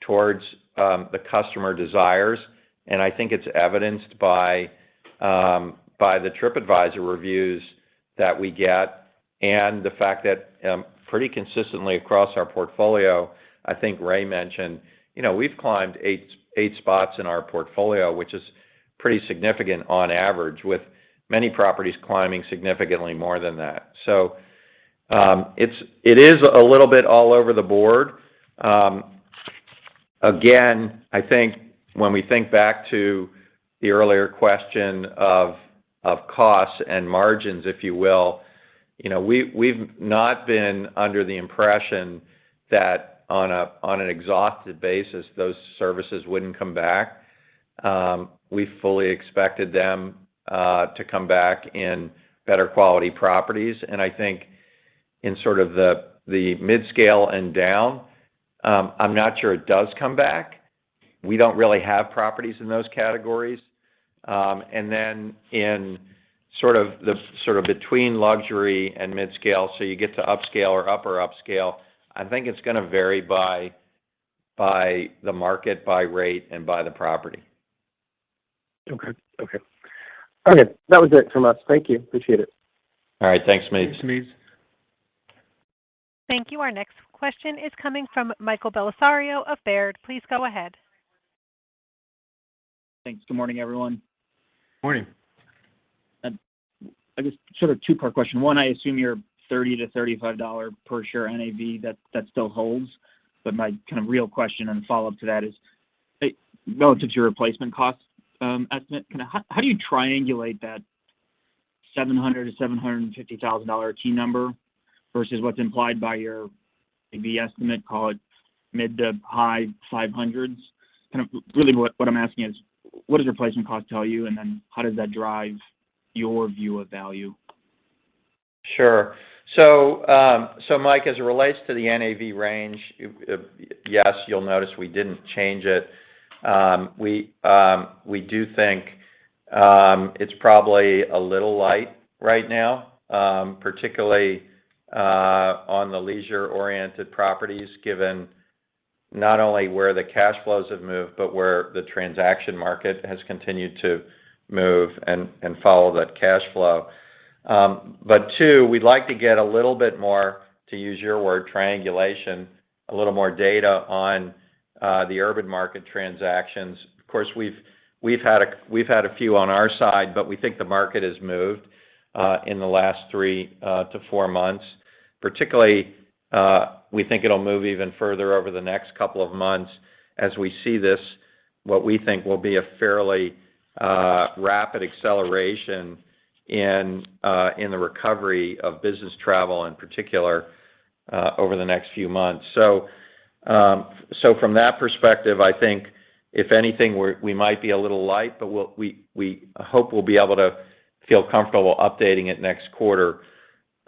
towards the customer desires, and I think it's evidenced by by the Tripadvisor reviews that we get and the fact that pretty consistently across our portfolio, I think Ray mentioned, you know, we've climbed eight spots in our portfolio, which is pretty significant on average, with many properties climbing significantly more than that. It is a little bit all over the board. Again, I think when we think back to the earlier question of costs and margins, if you will, you know, we've not been under the impression that on an exhausted basis, those services wouldn't come back. We fully expected them to come back in better quality properties. I think in sort of the midscale and down, I'm not sure it does come back. We don't really have properties in those categories. In sort of between luxury and midscale, so you get to upscale or upper upscale, I think it's gonna vary by the market, by rate, and by the property. Okay, that was it from us. Thank you. Appreciate it. All right. Thanks, Smedes. Thanks, Smedes. Thank you. Our next question is coming from Michael Bellisario of Baird. Please go ahead. Thanks. Good morning, everyone. Morning. I guess sort of two-part question. One, I assume your $30-$35 per share NAV, that still holds, but my kind of real question and follow-up to that is, hey, relative to your replacement cost estimate, how do you triangulate that $700,000-$750,000 key number versus what's implied by your, maybe estimate, call it mid- to high-500s? Kind of really what I'm asking is what does replacement cost tell you, and then how does that drive your view of value? Sure. So Mike, as it relates to the NAV range, yes, you'll notice we didn't change it. We do think it's probably a little light right now, particularly on the leisure-oriented properties, given not only where the cash flows have moved, but where the transaction market has continued to move and follow that cash flow. But two, we'd like to get a little bit more, to use your word, triangulation, a little more data on the urban market transactions. Of course, we've had a few on our side, but we think the market has moved in the last three to four months. Particularly, we think it'll move even further over the next couple of months as we see this, what we think will be a fairly rapid acceleration in the recovery of business travel in particular over the next couple of months. So, from that perspective, I think if anything, we might be a little light, but we hope we'll be able to feel comfortable updating it next quarter.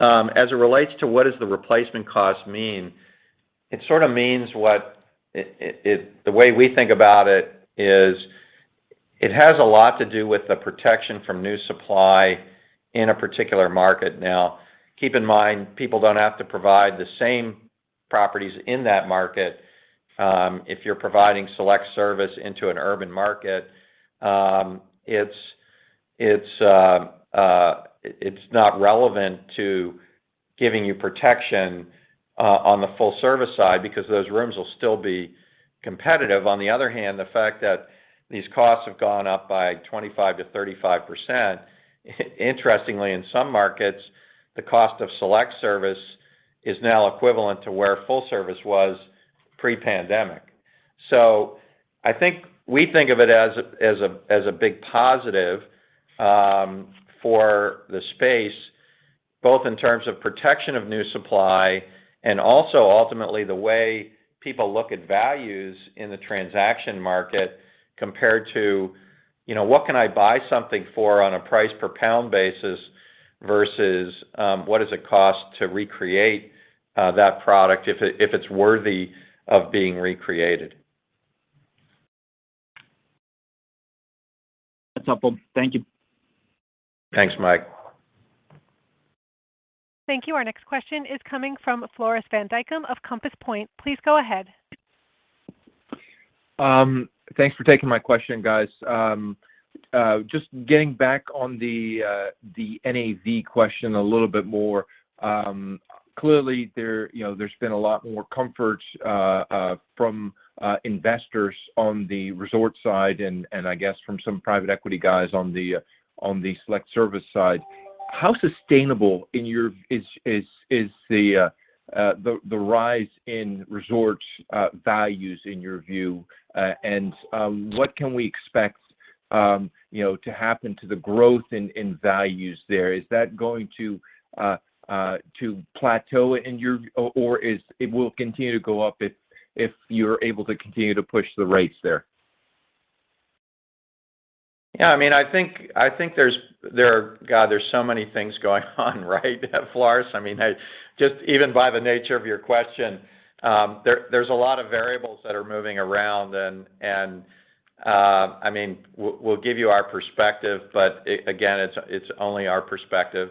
As it relates to what does the replacement cost mean, it sort of means what it. The way we think about it is it has a lot to do with the protection from new supply in a particular market. Now, keep in mind, people don't have to provide the same properties in that market. If you're providing select service into an urban market, it's not relevant to giving you protection on the full service side because those rooms will still be competitive. On the other hand, the fact that these costs have gone up by 25%-35%, interestingly, in some markets, the cost of select service is now equivalent to where full service was pre-pandemic. I think we think of it as a big positive for the space, both in terms of protection of new supply and also ultimately the way people look at values in the transaction market compared to, you know, what can I buy something for on a price per pound basis versus what does it cost to recreate that product if it's worthy of being recreated. That's helpful. Thank you. Thanks, Mike. Thank you. Our next question is coming from Floris van Dijkum of Compass Point. Please go ahead. Thanks for taking my question, guys. Just getting back on the NAV question a little bit more. Clearly there, you know, there's been a lot more comfort from investors on the resort side and I guess from some private equity guys on the select service side. How sustainable is the rise in resort values in your view, and what can we expect, you know, to happen to the growth in values there. Is that going to plateau in your view. Or it will continue to go up if you're able to continue to push the rates there? I mean, I think there's so many things going on, right, Floris? I mean, just even by the nature of your question, there's a lot of variables that are moving around. I mean, we'll give you our perspective, but again, it's only our perspective.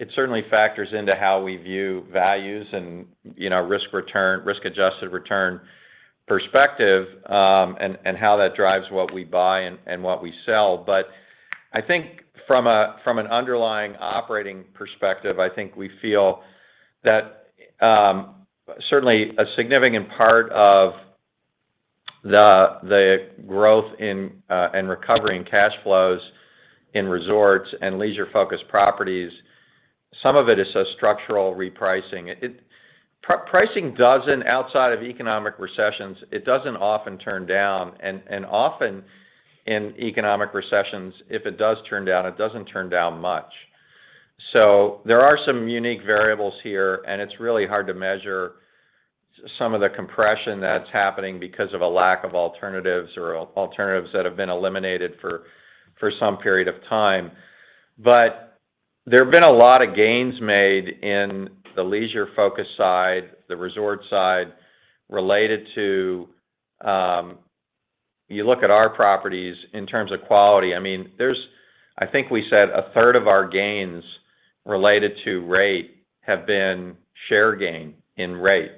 It certainly factors into how we view values and, you know, risk return, risk-adjusted return perspective, and how that drives what we buy and what we sell. I think from an underlying operating perspective, I think we feel that certainly a significant part of the growth in and recovery in cash flows in resorts and leisure-focused properties, some of it is a structural repricing. Pricing doesn't, outside of economic recessions, it doesn't often turn down. Often in economic recessions, if it does turn down, it doesn't turn down much. There are some unique variables here, and it's really hard to measure some of the compression that's happening because of a lack of alternatives or alternatives that have been eliminated for some period of time. There have been a lot of gains made in the leisure-focused side, the resort side, related to. You look at our properties in terms of quality, I mean, there's I think we said a third of our gains related to rate have been share gain in rate.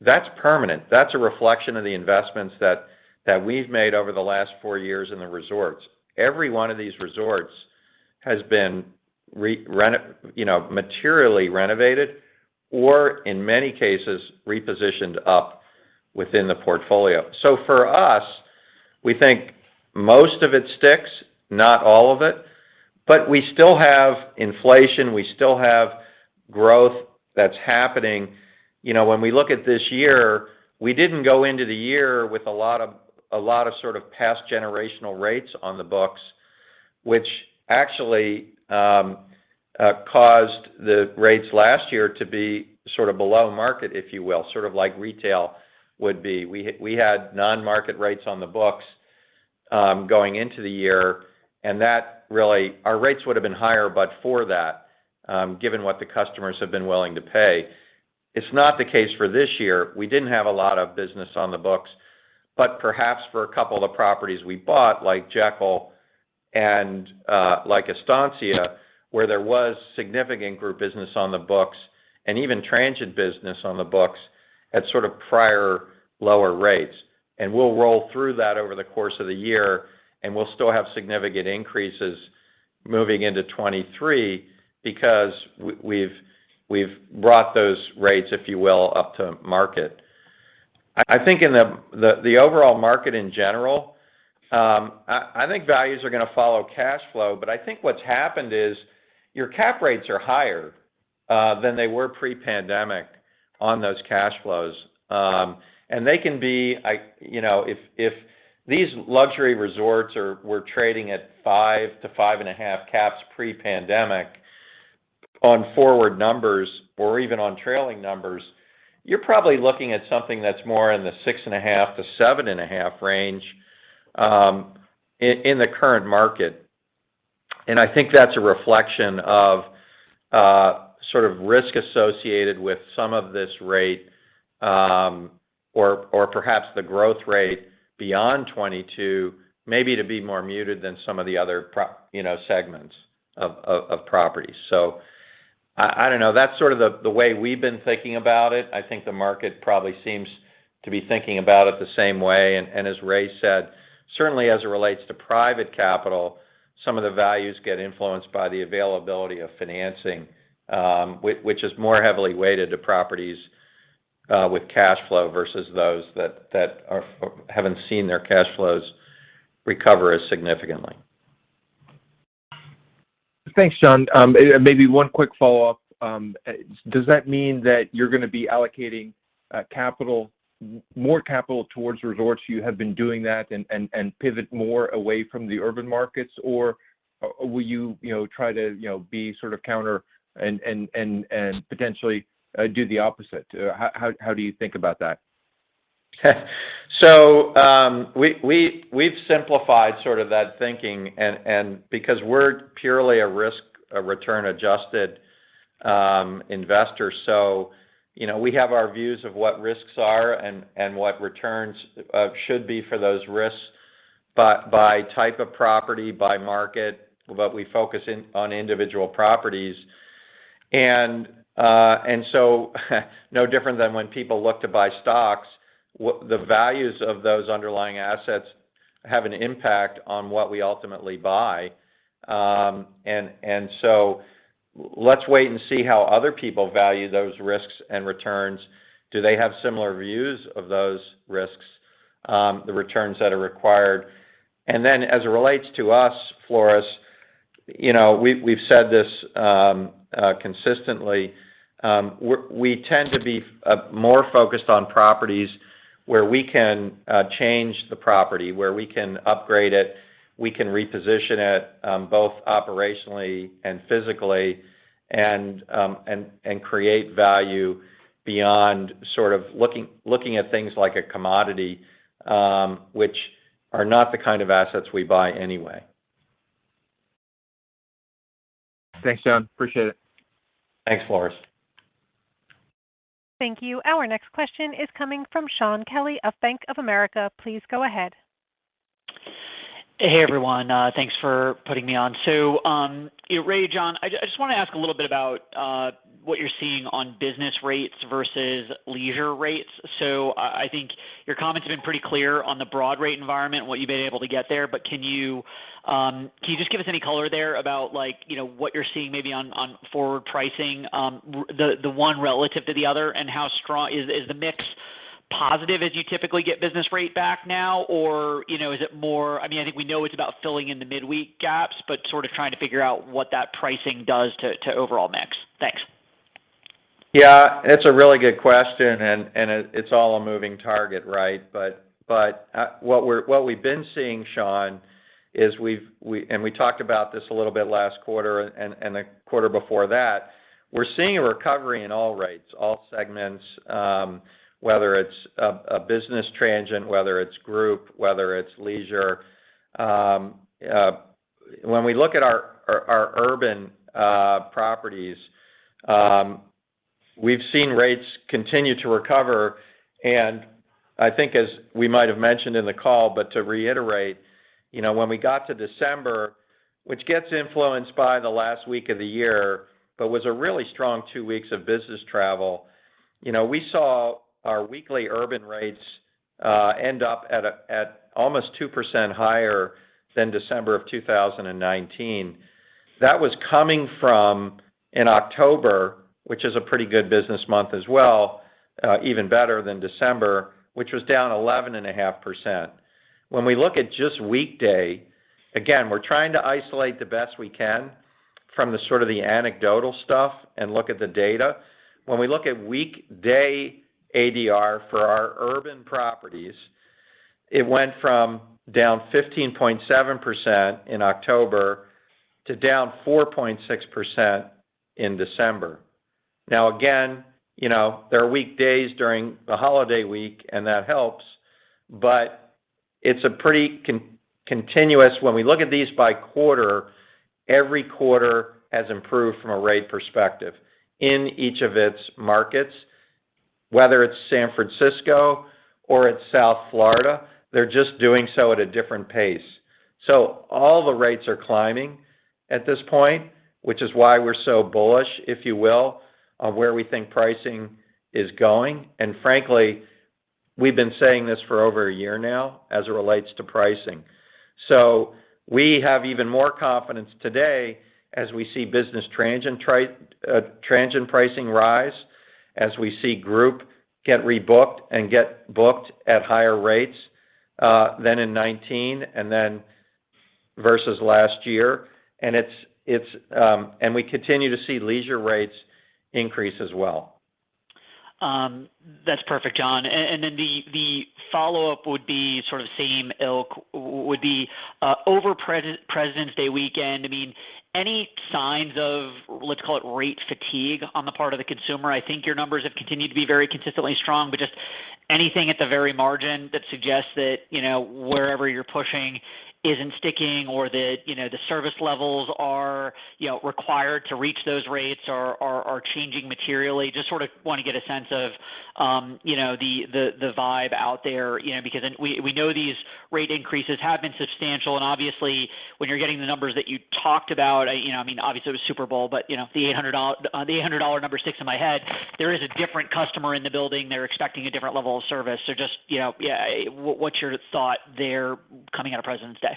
That's permanent. That's a reflection of the investments that we've made over the last four years in the resorts. Every one of these resorts has been you know, materially renovated or, in many cases, repositioned up within the portfolio. For us, we think most of it sticks, not all of it. We still have inflation, we still have growth that's happening. When we look at this year, we didn't go into the year with a lot of sort of past generational rates on the books, which caused the rates last year to be sort of below market, if you will, sort of like retail would be. We had non-market rates on the books, going into the year, and that really. Our rates would have been higher but for that, given what the customers have been willing to pay. It's not the case for this year. We didn't have a lot of business on the books, but perhaps for a couple of properties we bought, like Jekyll and like Estancia, where there was significant group business on the books and even transient business on the books at sort of prior lower rates. We'll roll through that over the course of the year, and we'll still have significant increases moving into 2023 because we've brought those rates, if you will, up to market. I think in the overall market in general, I think values are gonna follow cash flow. I think what's happened is your cap rates are higher than they were pre-pandemic on those cash flows. And they can be. You know, if these luxury resorts were trading at 5%-5.5% caps pre-pandemic on forward numbers or even on trailing numbers, you're probably looking at something that's more in the 6.5%-7.5% range in the current market. I think that's a reflection of sort of risk associated with some of this rate or perhaps the growth rate beyond 2022, maybe to be more muted than some of the other you know, segments of properties. I don't know. That's sort of the way we've been thinking about it. I think the market probably seems to be thinking about it the same way. As Ray said, certainly as it relates to private capital, some of the values get influenced by the availability of financing, which is more heavily weighted to properties with cash flow versus those that haven't seen their cash flows recover as significantly. Thanks, Jon. Maybe one quick follow-up. Does that mean that you're gonna be allocating more capital towards resorts? You have been doing that and pivot more away from the urban markets? Or will you know, try to, you know, be sort of counter and potentially do the opposite? How do you think about that? We've simplified sort of that thinking and because we're purely a risk, a return adjusted investor. You know, we have our views of what risks are and what returns should be for those risks by type of property, by market, but we focus on individual properties. No different than when people look to buy stocks, the values of those underlying assets have an impact on what we ultimately buy. Let's wait and see how other people value those risks and returns. Do they have similar views of those risks, the returns that are required? As it relates to us, Floris, you know, we've said this consistently. We tend to be more focused on properties where we can change the property, where we can upgrade it, we can reposition it, both operationally and physically and create value beyond sort of looking at things like a commodity, which are not the kind of assets we buy anyway. Thanks, Jon. I appreciate it. Thanks, Floris. Thank you. Our next question is coming from Shaun Kelley of Bank of America. Please go ahead. Hey, everyone. Thanks for putting me on. Yeah, Ray, Jon, I just want to ask a little bit about what you're seeing on business rates versus leisure rates. I think your comments have been pretty clear on the broad rate environment, what you've been able to get there. But can you just give us any color there about like, you know, what you're seeing maybe on forward pricing, the one relative to the other, and how strong is the mix positive as you typically get business rate back now? Or, you know, is it more. I mean, I think we know it's about filling in the midweek gaps, but sort of trying to figure out what that pricing does to overall mix. Thanks. Yeah, it's a really good question, and it's all a moving target, right? What we've been seeing, Shaun, is we've and we talked about this a little bit last quarter and the quarter before that. We're seeing a recovery in all rates, all segments, whether it's a business transient, whether it's group, whether it's leisure. When we look at our urban properties, we've seen rates continue to recover and I think as we might have mentioned in the call, but to reiterate, you know, when we got to December, which gets influenced by the last week of the year, but was a really strong two weeks of business travel, you know, we saw our weekly urban rates end up at almost 2% higher than December 2019. That was coming from in October, which is a pretty good business month as well, even better than December, which was down 11.5%. When we look at just weekday, again, we're trying to isolate the best we can from the sort of the anecdotal stuff and look at the data. When we look at weekday ADR for our urban properties, it went from down 15.7% in October to down 4.6% in December. Now again, you know, there are weekdays during the holiday week, and that helps, but it's pretty continuous. When we look at these by quarter, every quarter has improved from a rate perspective in each of its markets, whether it's San Francisco or it's South Florida, they're just doing so at a different pace. All the rates are climbing at this point, which is why we're so bullish, if you will, on where we think pricing is going. Frankly, we've been saying this for over a year now as it relates to pricing. We have even more confidence today as we see business transient pricing rise, as we see group get rebooked and get booked at higher rates than in 2019 and then versus last year. We continue to see leisure rates increase as well. That's perfect, Jon. Then the follow-up would be sort of same ilk over President's Day weekend. I mean, any signs of, let's call it, rate fatigue on the part of the consumer? I think your numbers have continued to be very consistently strong, but just anything at the very margin that suggests that, you know, wherever you're pushing isn't sticking or that, you know, the service levels are, you know, required to reach those rates or are changing materially. Just sort of want to get a sense of the vibe out there, you know, because we know these rate increases have been substantial and obviously when you're getting the numbers that you talked about, you know, I mean, obviously it was Super Bowl, but you know, the $800 number sticks in my head. There is a different customer in the building. They're expecting a different level of service. Just, you know, yeah, what's your thought there coming out of President's Day?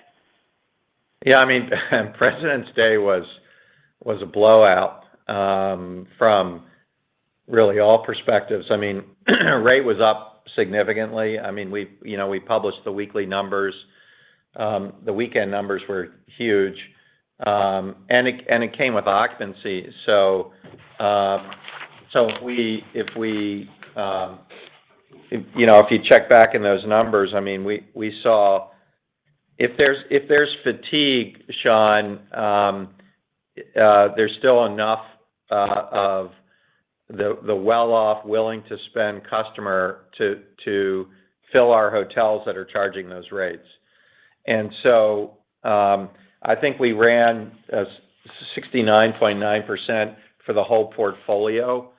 Yeah, I mean, President's Day was a blowout from really all perspectives. I mean, rate was up significantly. I mean, we, you know, published the weekly numbers. The weekend numbers were huge. It came with occupancy. If you check back in those numbers, I mean, we saw if there's fatigue, Shaun, there's still enough of the well-off willing to spend customer to fill our hotels that are charging those rates. I think we ran 69.9% for the whole portfolio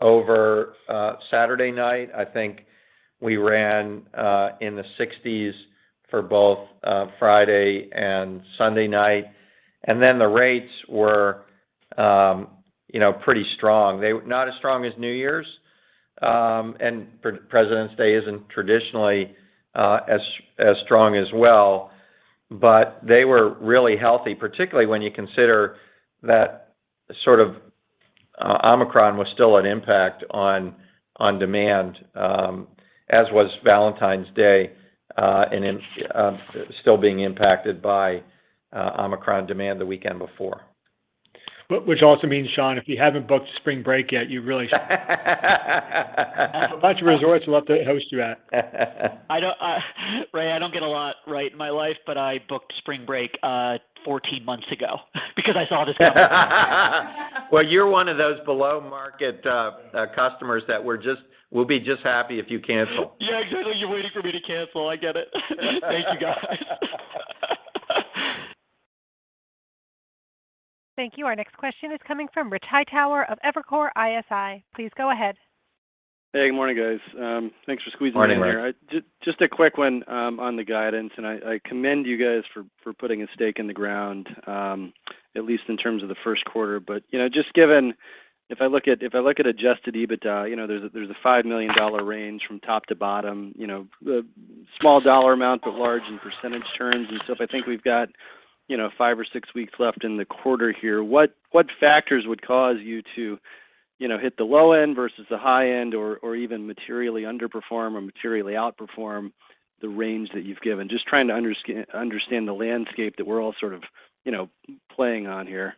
over Saturday night. I think we ran in the 60s for both Friday and Sunday night. Then the rates were, you know, pretty strong. They were not as strong as New Year's, and pre-President's Day isn't traditionally as strong as well, but they were really healthy, particularly when you consider that sort of Omicron was still an impact on demand, as was Valentine's Day, and then still being impacted by Omicron on demand the weekend before. Which also means, Shaun, if you haven't booked spring break yet, you really should. I have a bunch of resorts I'd love to host you at. I don't get a lot right in my life, but I booked spring break 14 months ago because I saw this coming. Well, you're one of those below market customers that we'll be just happy if you cancel. Yeah, exactly. You're waiting for me to cancel. I get it. Thank you, guys. Thank you. Our next question is coming from Rich Hightower of Evercore ISI. Please go ahead. Hey, good morning, guys. Thanks for squeezing me in here. Morning, Rich. Just a quick one on the guidance, and I commend you guys for putting a stake in the ground, at least in terms of the first quarter. You know, just given. If I look at adjusted EBITDA, you know, there's a $5 million range from top to bottom, you know, the small dollar amount, but large in percentage terms. If I think we've got, you know, five or six weeks left in the quarter here, what factors would cause you to, you know, hit the low end versus the high-end, or even materially underperform or materially outperform the range that you've given? Just trying to understand the landscape that we're all sort of, you know, playing on here.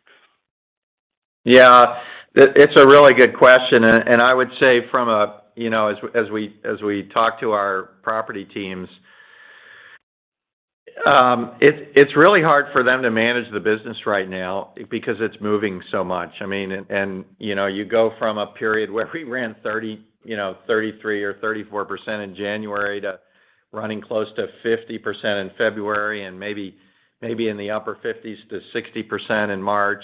Yeah. It's a really good question. I would say from a, you know, as we talk to our property teams, it's really hard for them to manage the business right now because it's moving so much. I mean, you know, you go from a period where we ran 33% or 34% in January to running close to 50% in February and maybe in the upper 50s to 60% in March.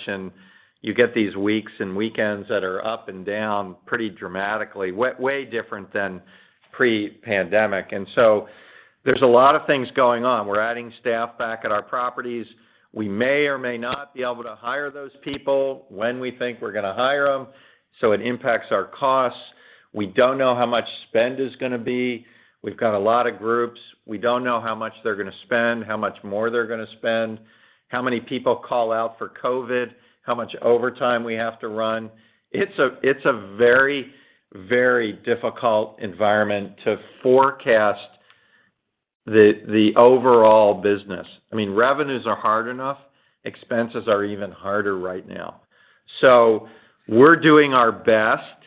You get these weeks and weekends that are up and down pretty dramatically, way different than pre-pandemic. There's a lot of things going on. We're adding staff back at our properties. We may or may not be able to hire those people when we think we're going to hire them, so it impacts our costs. We don't know how much spend is going to be. We've got a lot of groups. We don't know how much they're going to spend, how much more they're going to spend, how many people call out for COVID, how much overtime we have to run. It's a very difficult environment to forecast the overall business. I mean, revenues are hard enough. Expenses are even harder right now. We're doing our best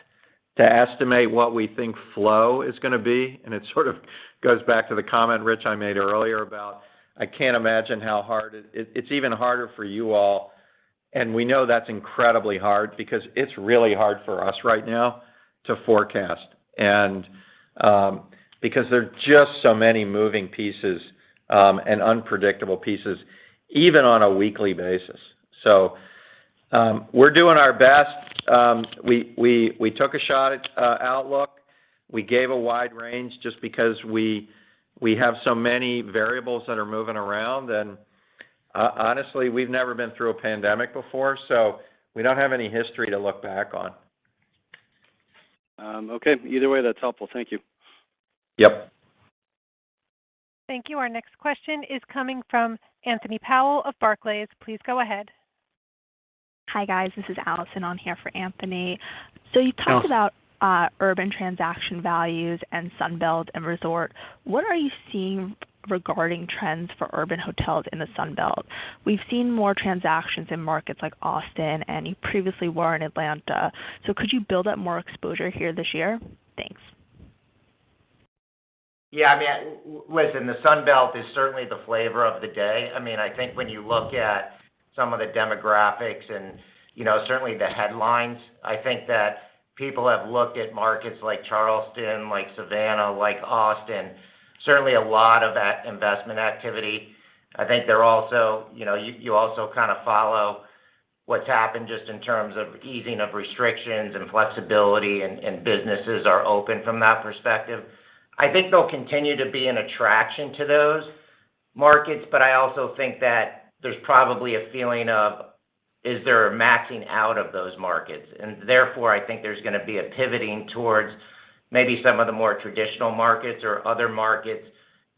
to estimate what we think flow is going to be, and it sort of goes back to the comment, Rich, I made earlier about I can't imagine how hard it. It's even harder for you all, and we know that's incredibly hard because it's really hard for us right now to forecast. Because there are just so many moving pieces, and unpredictable pieces, even on a weekly basis. We're doing our best. We took a shot at outlook. We gave a wide range just because we have so many variables that are moving around. Honestly, we've never been through a pandemic before, so we don't have any history to look back on. Okay. Either way, that's helpful. Thank you. Yep. Thank you. Our next question is coming from Anthony Powell of Barclays. Please go ahead. Hi, guys. This is Allison on here for Anthony. Oh. You talked about urban transaction values and Sunbelt and resort. What are you seeing regarding trends for urban hotels in the Sunbelt? We've seen more transactions in markets like Austin and you previously were in Atlanta. Could you build up more exposure here this year? Thanks. Yeah. I mean, listen, the Sunbelt is certainly the flavor of the day. I mean, I think when you look at some of the demographics and, you know, certainly the headlines, I think that people have looked at markets like Charleston, like Savannah, like Austin. Certainly a lot of that investment activity. I think they're also, you know, you also kind of follow what's happened just in terms of easing of restrictions and flexibility and businesses are open from that perspective. I think they'll continue to be an attraction to those markets, but I also think that there's probably a feeling of is there a maxing out of those markets. Therefore, I think there's going to be a pivoting towards maybe some of the more traditional markets or other markets,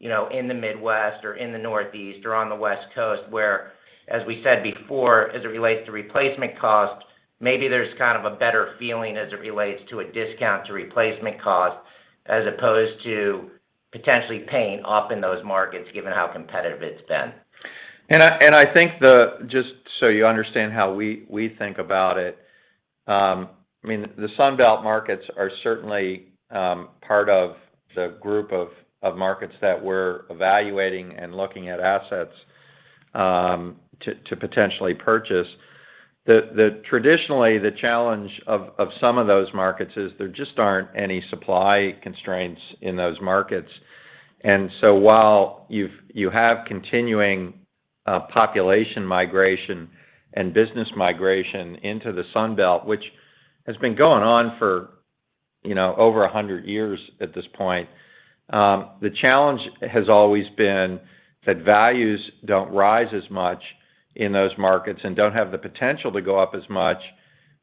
you know, in the Midwest or in the Northeast or on the West Coast, where, as we said before, as it relates to replacement costs, maybe there's kind of a better feeling as it relates to a discount to replacement cost as opposed to potentially paying off in those markets given how competitive it's been. I think just so you understand how we think about it, I mean, the Sunbelt markets are certainly part of the group of markets that we're evaluating and looking at assets to potentially purchase. Traditionally, the challenge of some of those markets is that there just aren't any supply constraints in those markets. While you have continuing population migration and business migration into the Sunbelt, which has been going on for, you know, over a hundred years at this point, the challenge has always been that values don't rise as much in those markets and don't have the potential to go up as much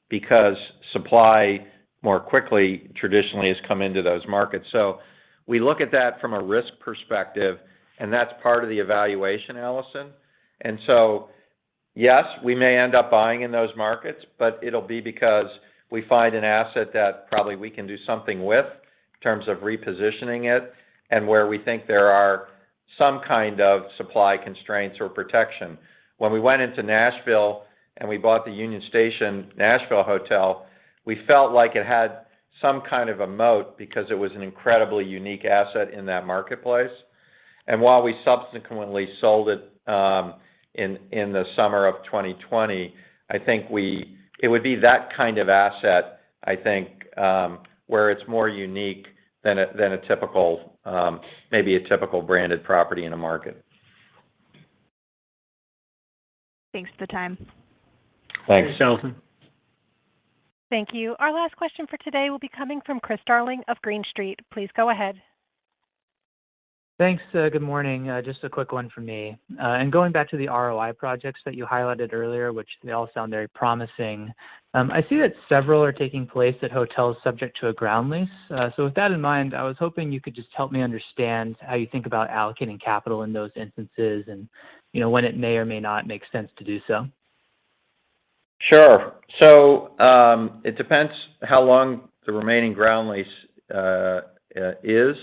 because supply more quickly traditionally has come into those markets. We look at that from a risk perspective, and that's part of the evaluation, Allison. Yes, we may end up buying in those markets, but it'll be because we find an asset that probably we can do something with in terms of repositioning it and where we think there are some kind of supply constraints or protection. When we went into Nashville and we bought the Union Station Hotel Nashville, we felt like it had some kind of a moat because it was an incredibly unique asset in that marketplace. While we subsequently sold it in the summer of 2020, it would be that kind of asset, I think, where it's more unique than a typical, maybe a typical branded property in a market. Thanks for the time. Thanks. Thanks, Allison. Thank you. Our last question for today will be coming from Chris Darling of Green Street. Please go ahead. Thanks. Good morning. Just a quick one from me. In going back to the ROI projects that you highlighted earlier, which they all sound very promising, I see that several are taking place at hotels subject to a ground lease. With that in mind, I was hoping you could just help me understand how you think about allocating capital in those instances and, you know, when it may or may not make sense to do so. Sure. It depends how long the remaining ground lease is,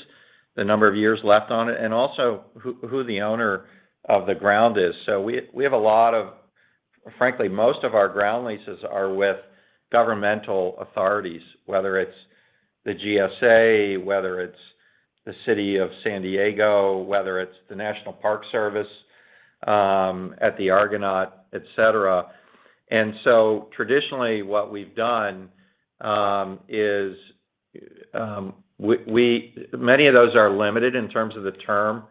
the number of years left on it, and also who the owner of the ground is. We have a lot of ground leases. Frankly, most of our ground leases are with governmental authorities, whether it's the GSA, whether it's the City of San Diego, whether it's the National Park Service, at The Argonaut, et cetera. Traditionally what we've done is many of those are limited in terms of the term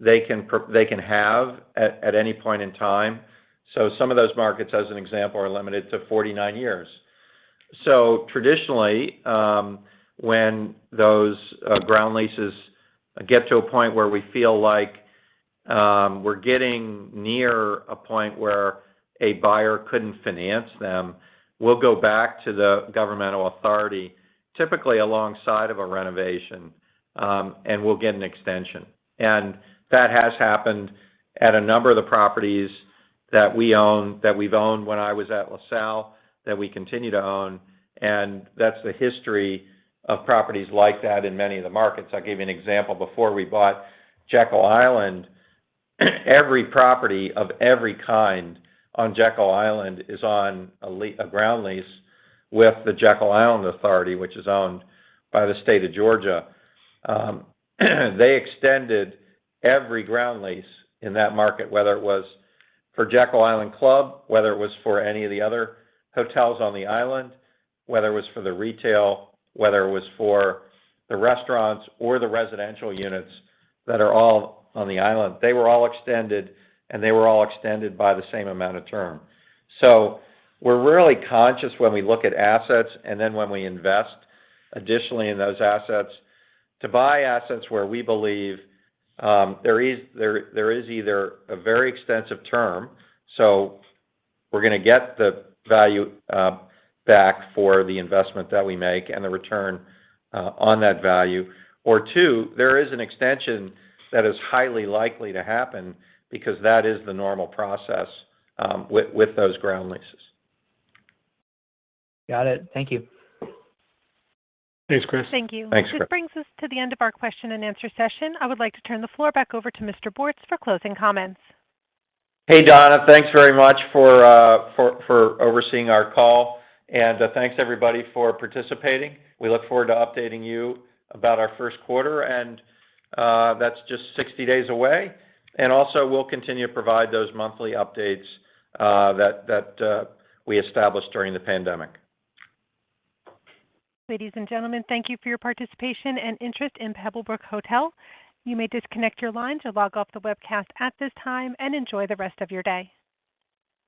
they can have at any point in time. Some of those markets, as an example, are limited to 49 years. Traditionally, when those ground leases get to a point where we feel like we're getting near a point where a buyer couldn't finance them, we'll go back to the governmental authority, typically alongside of a renovation, and we'll get an extension. That has happened at a number of the properties that we own, that we've owned when I was at LaSalle, that we continue to own, and that's the history of properties like that in many of the markets. I gave you an example before. We bought Jekyll Island. Every property of every kind on Jekyll Island is on a ground lease with the Jekyll Island Authority, which is owned by the State of Georgia. They extended every ground lease in that market, whether it was for Jekyll Island Club, whether it was for any of the other hotels on the island, whether it was for the retail, whether it was for the restaurants or the residential units that are all on the island. They were all extended, and they were all extended by the same amount of term. We're really conscious when we look at assets and then when we invest additionally in those assets to buy assets where we believe there is either a very extensive term, so we're gonna get the value back for the investment that we make and the return on that value, or two, there is an extension that is highly likely to happen because that is the normal process with those ground leases. Got it. Thank you. Thanks, Chris. Thank you. Thanks, Chris. This brings us to the end of our question-and-answer session. I would like to turn the floor back over to Mr. Bortz for closing comments. Hey, Donna. Thanks very much for overseeing our call. Thanks everybody for participating. We look forward to updating you about our first quarter, and that's just 60 days away. We'll continue to provide those monthly updates that we established during the pandemic. Ladies and gentlemen, thank you for your participation and interest in Pebblebrook Hotel Trust. You may disconnect your line to log off the webcast at this time, and enjoy the rest of your day.